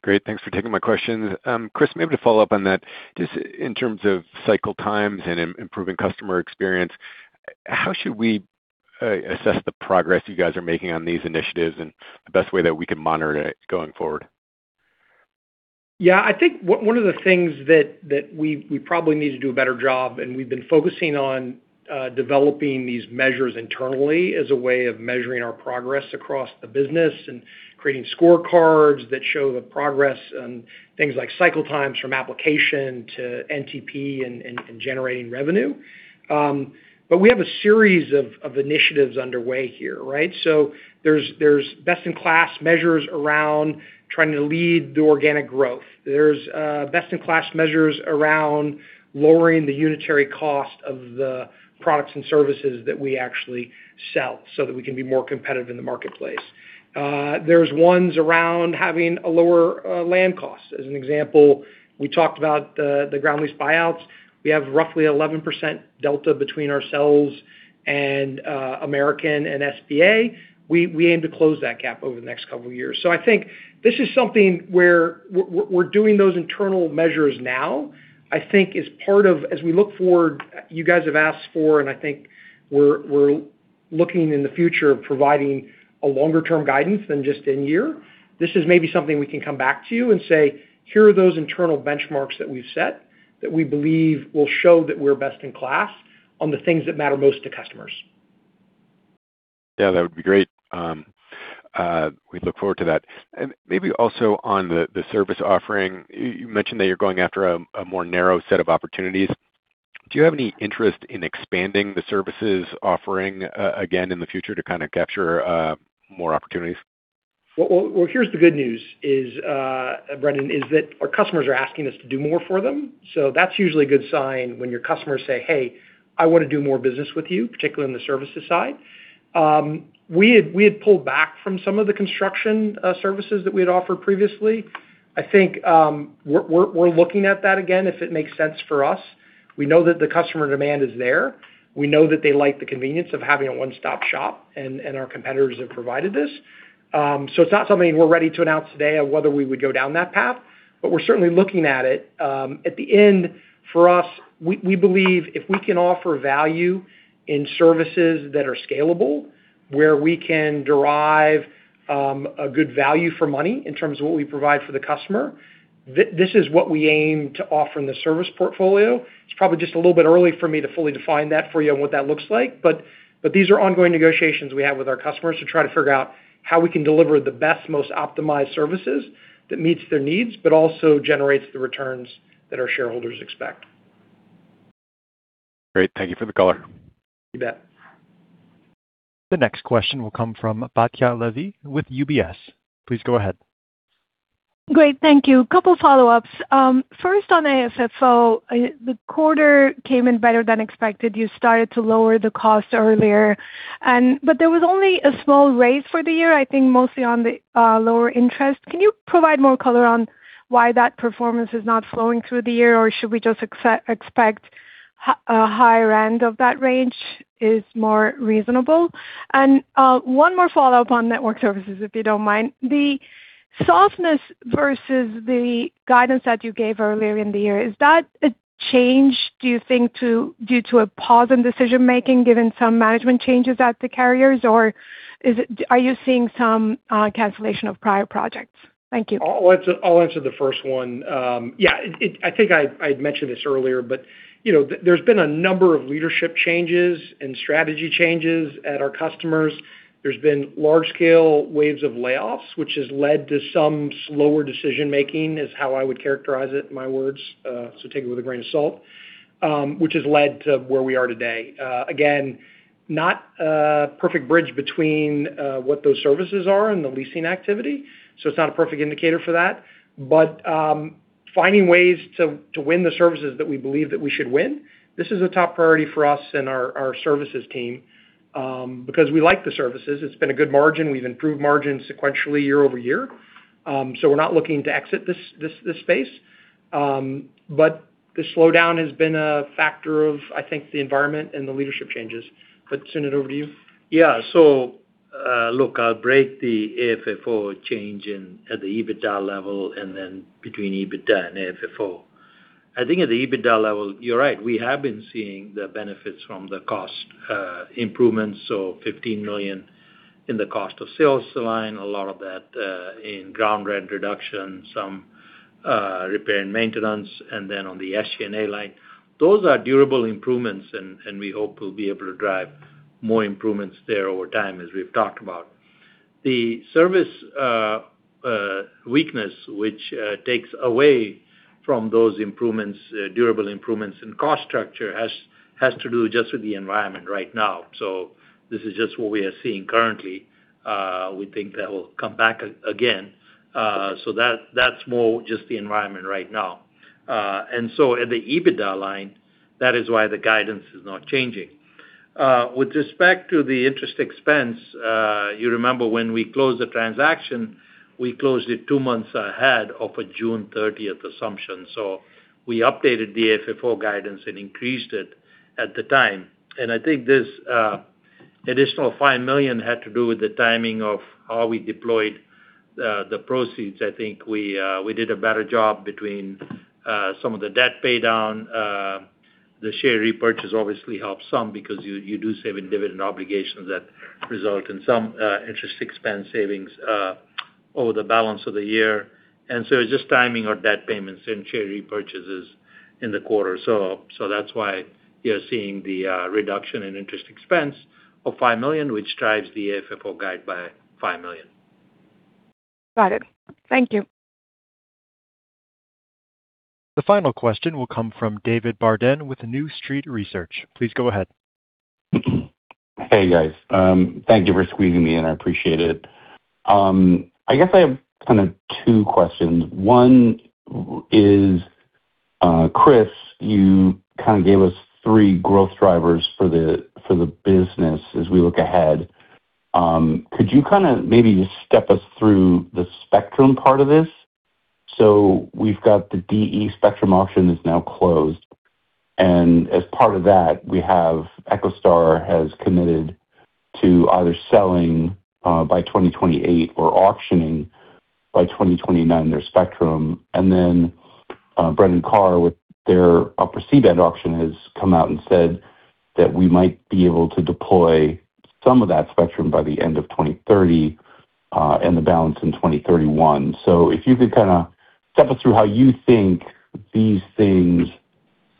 Speaker 17: Great. Thanks for taking my question. Chris, maybe to follow up on that, just in terms of cycle times and improving customer experience, how should we assess the progress you guys are making on these initiatives and the best way that we can monitor it going forward?
Speaker 3: Yeah, I think one of the things that we probably need to do a better job, and we've been focusing on developing these measures internally as a way of measuring our progress across the business and creating scorecards that show the progress on things like cycle times from application to NTP and generating revenue. We have a series of initiatives underway here, right? There's best-in-class measures around trying to lead the organic growth. There's best-in-class measures around lowering the unitary cost of the products and services that we actually sell so that we can be more competitive in the marketplace. There's ones around having a lower land cost. As an example, we talked about the ground lease buyouts. We have roughly 11% delta between ourselves and American and SBA. We aim to close that gap over the next couple of years. I think this is something where we're doing those internal measures now. I think as part of as we look forward, you guys have asked for and I think we're looking in the future of providing a longer-term guidance than just in year. This is maybe something we can come back to you and say, "Here are those internal benchmarks that we've set that we believe will show that we're best in class on the things that matter most to customers.
Speaker 17: Yeah, that would be great. We look forward to that. Maybe also on the service offering, you mentioned that you're going after a more narrow set of opportunities. Do you have any interest in expanding the services offering again in the future to capture more opportunities?
Speaker 3: Well, here's the good news, Brendan, is that our customers are asking us to do more for them. That's usually a good sign when your customers say, "Hey, I want to do more business with you," particularly on the services side. We had pulled back from some of the construction services that we had offered previously. I think we're looking at that again, if it makes sense for us. We know that the customer demand is there. We know that they like the convenience of having a one-stop shop, and our competitors have provided this. It's not something we're ready to announce today on whether we would go down that path, but we're certainly looking at it. At the end, for us, we believe if we can offer value in services that are scalable, where we can derive a good value for money in terms of what we provide for the customer, this is what we aim to offer in the service portfolio. It's probably just a little bit early for me to fully define that for you on what that looks like, but these are ongoing negotiations we have with our customers to try to figure out how we can deliver the best, most optimized services that meets their needs, but also generates the returns that our shareholders expect.
Speaker 17: Great. Thank you for the color.
Speaker 3: You bet.
Speaker 1: The next question will come from Batya Levi with UBS. Please go ahead.
Speaker 18: Great. Thank you. Couple follow-ups. First on AFFO, the quarter came in better than expected. You started to lower the cost earlier, but there was only a small raise for the year, I think mostly on the lower interest. Can you provide more color on why that performance is not flowing through the year? Or should we just expect a higher end of that range is more reasonable. One more follow-up on network services, if you don't mind. The softness versus the guidance that you gave earlier in the year, is that a change, do you think, due to a pause in decision-making given some management changes at the carriers? Or are you seeing some cancellation of prior projects? Thank you.
Speaker 3: I'll answer the first one. I think I had mentioned this earlier, but there's been a number of leadership changes and strategy changes at our customers. There's been large-scale waves of layoffs, which has led to some slower decision-making, is how I would characterize it in my words, so take it with a grain of salt, which has led to where we are today. Again, not a perfect bridge between what those services are and the leasing activity. It's not a perfect indicator for that. Finding ways to win the services that we believe that we should win, this is a top priority for us and our services team because we like the services. It's been a good margin. We've improved margins sequentially year-over-year. We're not looking to exit this space. The slowdown has been a factor of, I think, the environment and the leadership changes. Sunit, over to you.
Speaker 4: Yeah. Look, I'll break the AFFO change at the EBITDA level and then between EBITDA and AFFO. I think at the EBITDA level, you're right. We have been seeing the benefits from the cost improvements. $15 million in the cost of sales line, a lot of that in ground rent reduction, some repair and maintenance, and then on the SG&A line. Those are durable improvements, and we hope we'll be able to drive more improvements there over time, as we've talked about. The service weakness, which takes away from those improvements, durable improvements in cost structure, has to do just with the environment right now. This is just what we are seeing currently. We think that will come back again. That's more just the environment right now. At the EBITDA line, that is why the guidance is not changing. With respect to the interest expense, you remember when we closed the transaction, we closed it two months ahead of a June 30th assumption. We updated the AFFO guidance and increased it at the time. I think this additional $5 million had to do with the timing of how we deployed the proceeds. I think we did a better job between some of the debt paydown. The share repurchase obviously helps some because you do save in dividend obligations that result in some interest expense savings over the balance of the year. It's just timing our debt payments and share repurchases in the quarter. That's why you're seeing the reduction in interest expense of $5 million, which drives the AFFO guide by $5 million.
Speaker 18: Got it. Thank you.
Speaker 1: The final question will come from David Barden with New Street Research. Please go ahead.
Speaker 19: Hey, guys. Thank you for squeezing me in. I appreciate it. I guess I have kind of two questions. One is, Chris, you kind of gave us three growth drivers for the business as we look ahead. Could you kind of maybe step us through the spectrum part of this? We've got the DE spectrum auction is now closed. As part of that, we have EchoStar has committed to either selling by 2028 or auctioning by 2029 their spectrum. Then Brendan Carr, with their upper C-band auction has come out and said that we might be able to deploy some of that spectrum by the end of 2030, and the balance in 2031. If you could kind of step us through how you think these things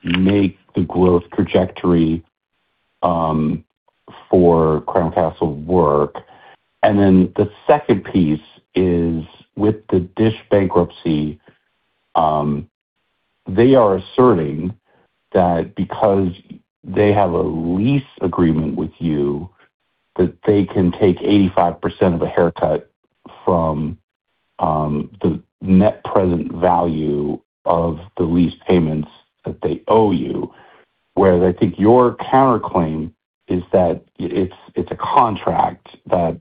Speaker 19: make the growth trajectory for Crown Castle work. The second piece is with the DISH bankruptcy, they are asserting that because they have a lease agreement with you, that they can take 85% of a haircut from the net present value of the lease payments that they owe you. Whereas I think your counterclaim is that it's a contract that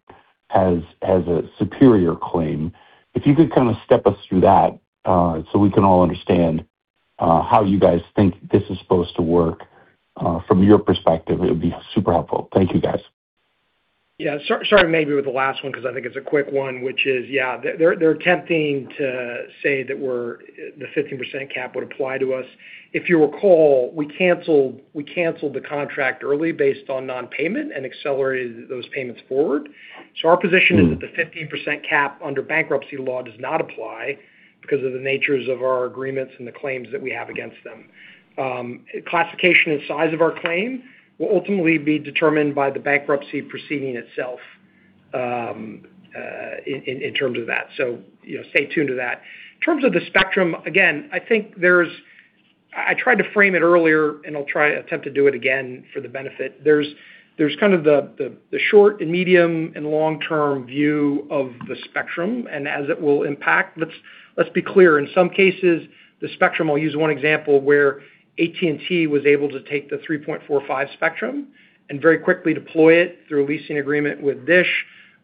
Speaker 19: has a superior claim. If you could kind of step us through that, so we can all understand how you guys think this is supposed to work from your perspective, it would be super helpful? Thank you, guys.
Speaker 3: Yeah. Starting maybe with the last one because I think it's a quick one, which is, yeah, they're attempting to say that the 15% cap would apply to us. If you recall, we canceled the contract early based on non-payment and accelerated those payments forward. Our position is that the 15% cap under bankruptcy law does not apply because of the natures of our agreements and the claims that we have against them. Classification and size of our claim will ultimately be determined by the bankruptcy proceeding itself in terms of that. Stay tuned to that. In terms of the spectrum, again, I tried to frame it earlier and I'll attempt to do it again for the benefit. There's kind of the short and medium and long-term view of the spectrum and as it will impact. Let's be clear. In some cases, the spectrum, I'll use one example where AT&T was able to take the 3.45 spectrum and very quickly deploy it through a leasing agreement with DISH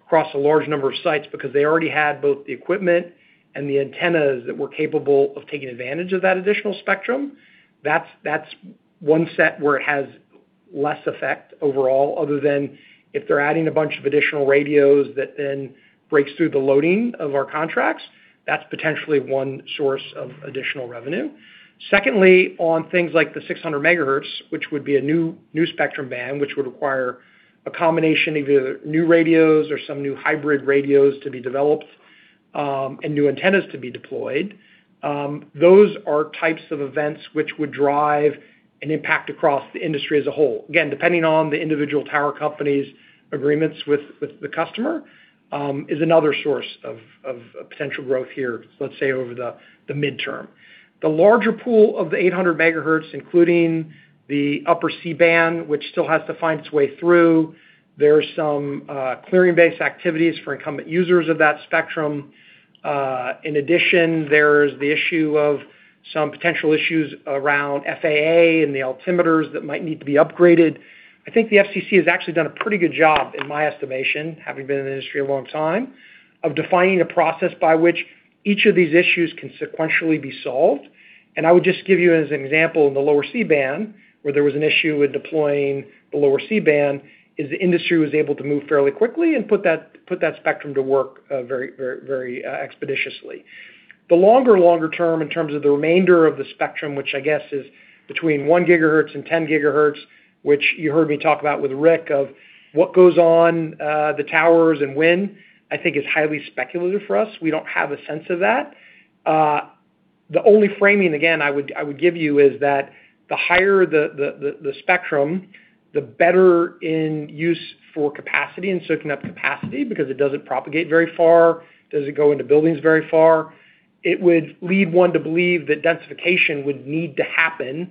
Speaker 3: across a large number of sites because they already had both the equipment and the antennas that were capable of taking advantage of that additional spectrum. That's one set where it has less effect overall, other than if they're adding a bunch of additional radios that then breaks through the loading of our contracts. That's potentially one source of additional revenue. Secondly, on things like the 600 MHz, which would be a new spectrum band, which would require a combination of either new radios or some new hybrid radios to be developed, and new antennas to be deployed. Those are types of events which would drive an impact across the industry as a whole. Again, depending on the individual tower companies' agreements with the customer, is another source of potential growth here, let's say over the midterm. The larger pool of the 800 MHz, including the upper C-band, which still has to find its way through. There's some clearing-based activities for incumbent users of that spectrum. In addition, there's the issue of some potential issues around FAA and the altimeters that might need to be upgraded. I think the FCC has actually done a pretty good job, in my estimation, having been in the industry a long time, of defining a process by which each of these issues can sequentially be solved. I would just give you as an example, in the lower C-band, where there was an issue with deploying the lower C-band, is the industry was able to move fairly quickly and put that spectrum to work very expeditiously. The longer term, in terms of the remainder of the spectrum, which I guess is between one GHz and 10 GHz, which you heard me talk about with Ric, of what goes on the towers and when, I think is highly speculative for us. We don't have a sense of that. The only framing, again, I would give you is that the higher the spectrum, the better in use for capacity and soaking up capacity, because it doesn't propagate very far, doesn't go into buildings very far. It would lead one to believe that densification would need to happen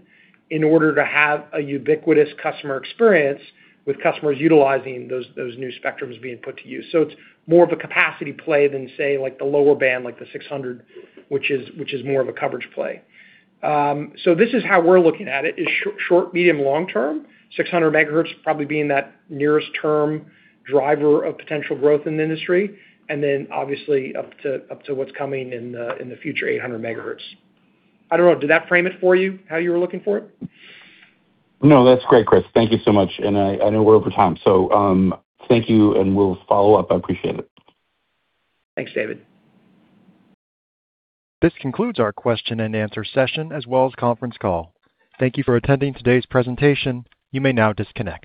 Speaker 3: in order to have a ubiquitous customer experience with customers utilizing those new spectrums being put to use. It's more of a capacity play than, say, like the lower band, like the 600, which is more of a coverage play. This is how we're looking at it, is short, medium, long term, 600 MHz probably being that nearest term driver of potential growth in the industry. Then obviously up to what's coming in the future 800 MHz. I don't know, did that frame it for you how you were looking for it?
Speaker 19: No, that's great, Chris. Thank you so much. I know we're over time. Thank you and we'll follow up. I appreciate it.
Speaker 3: Thanks, David.
Speaker 1: This concludes our question and answer session, as well as conference call. Thank you for attending today's presentation. You may now disconnect.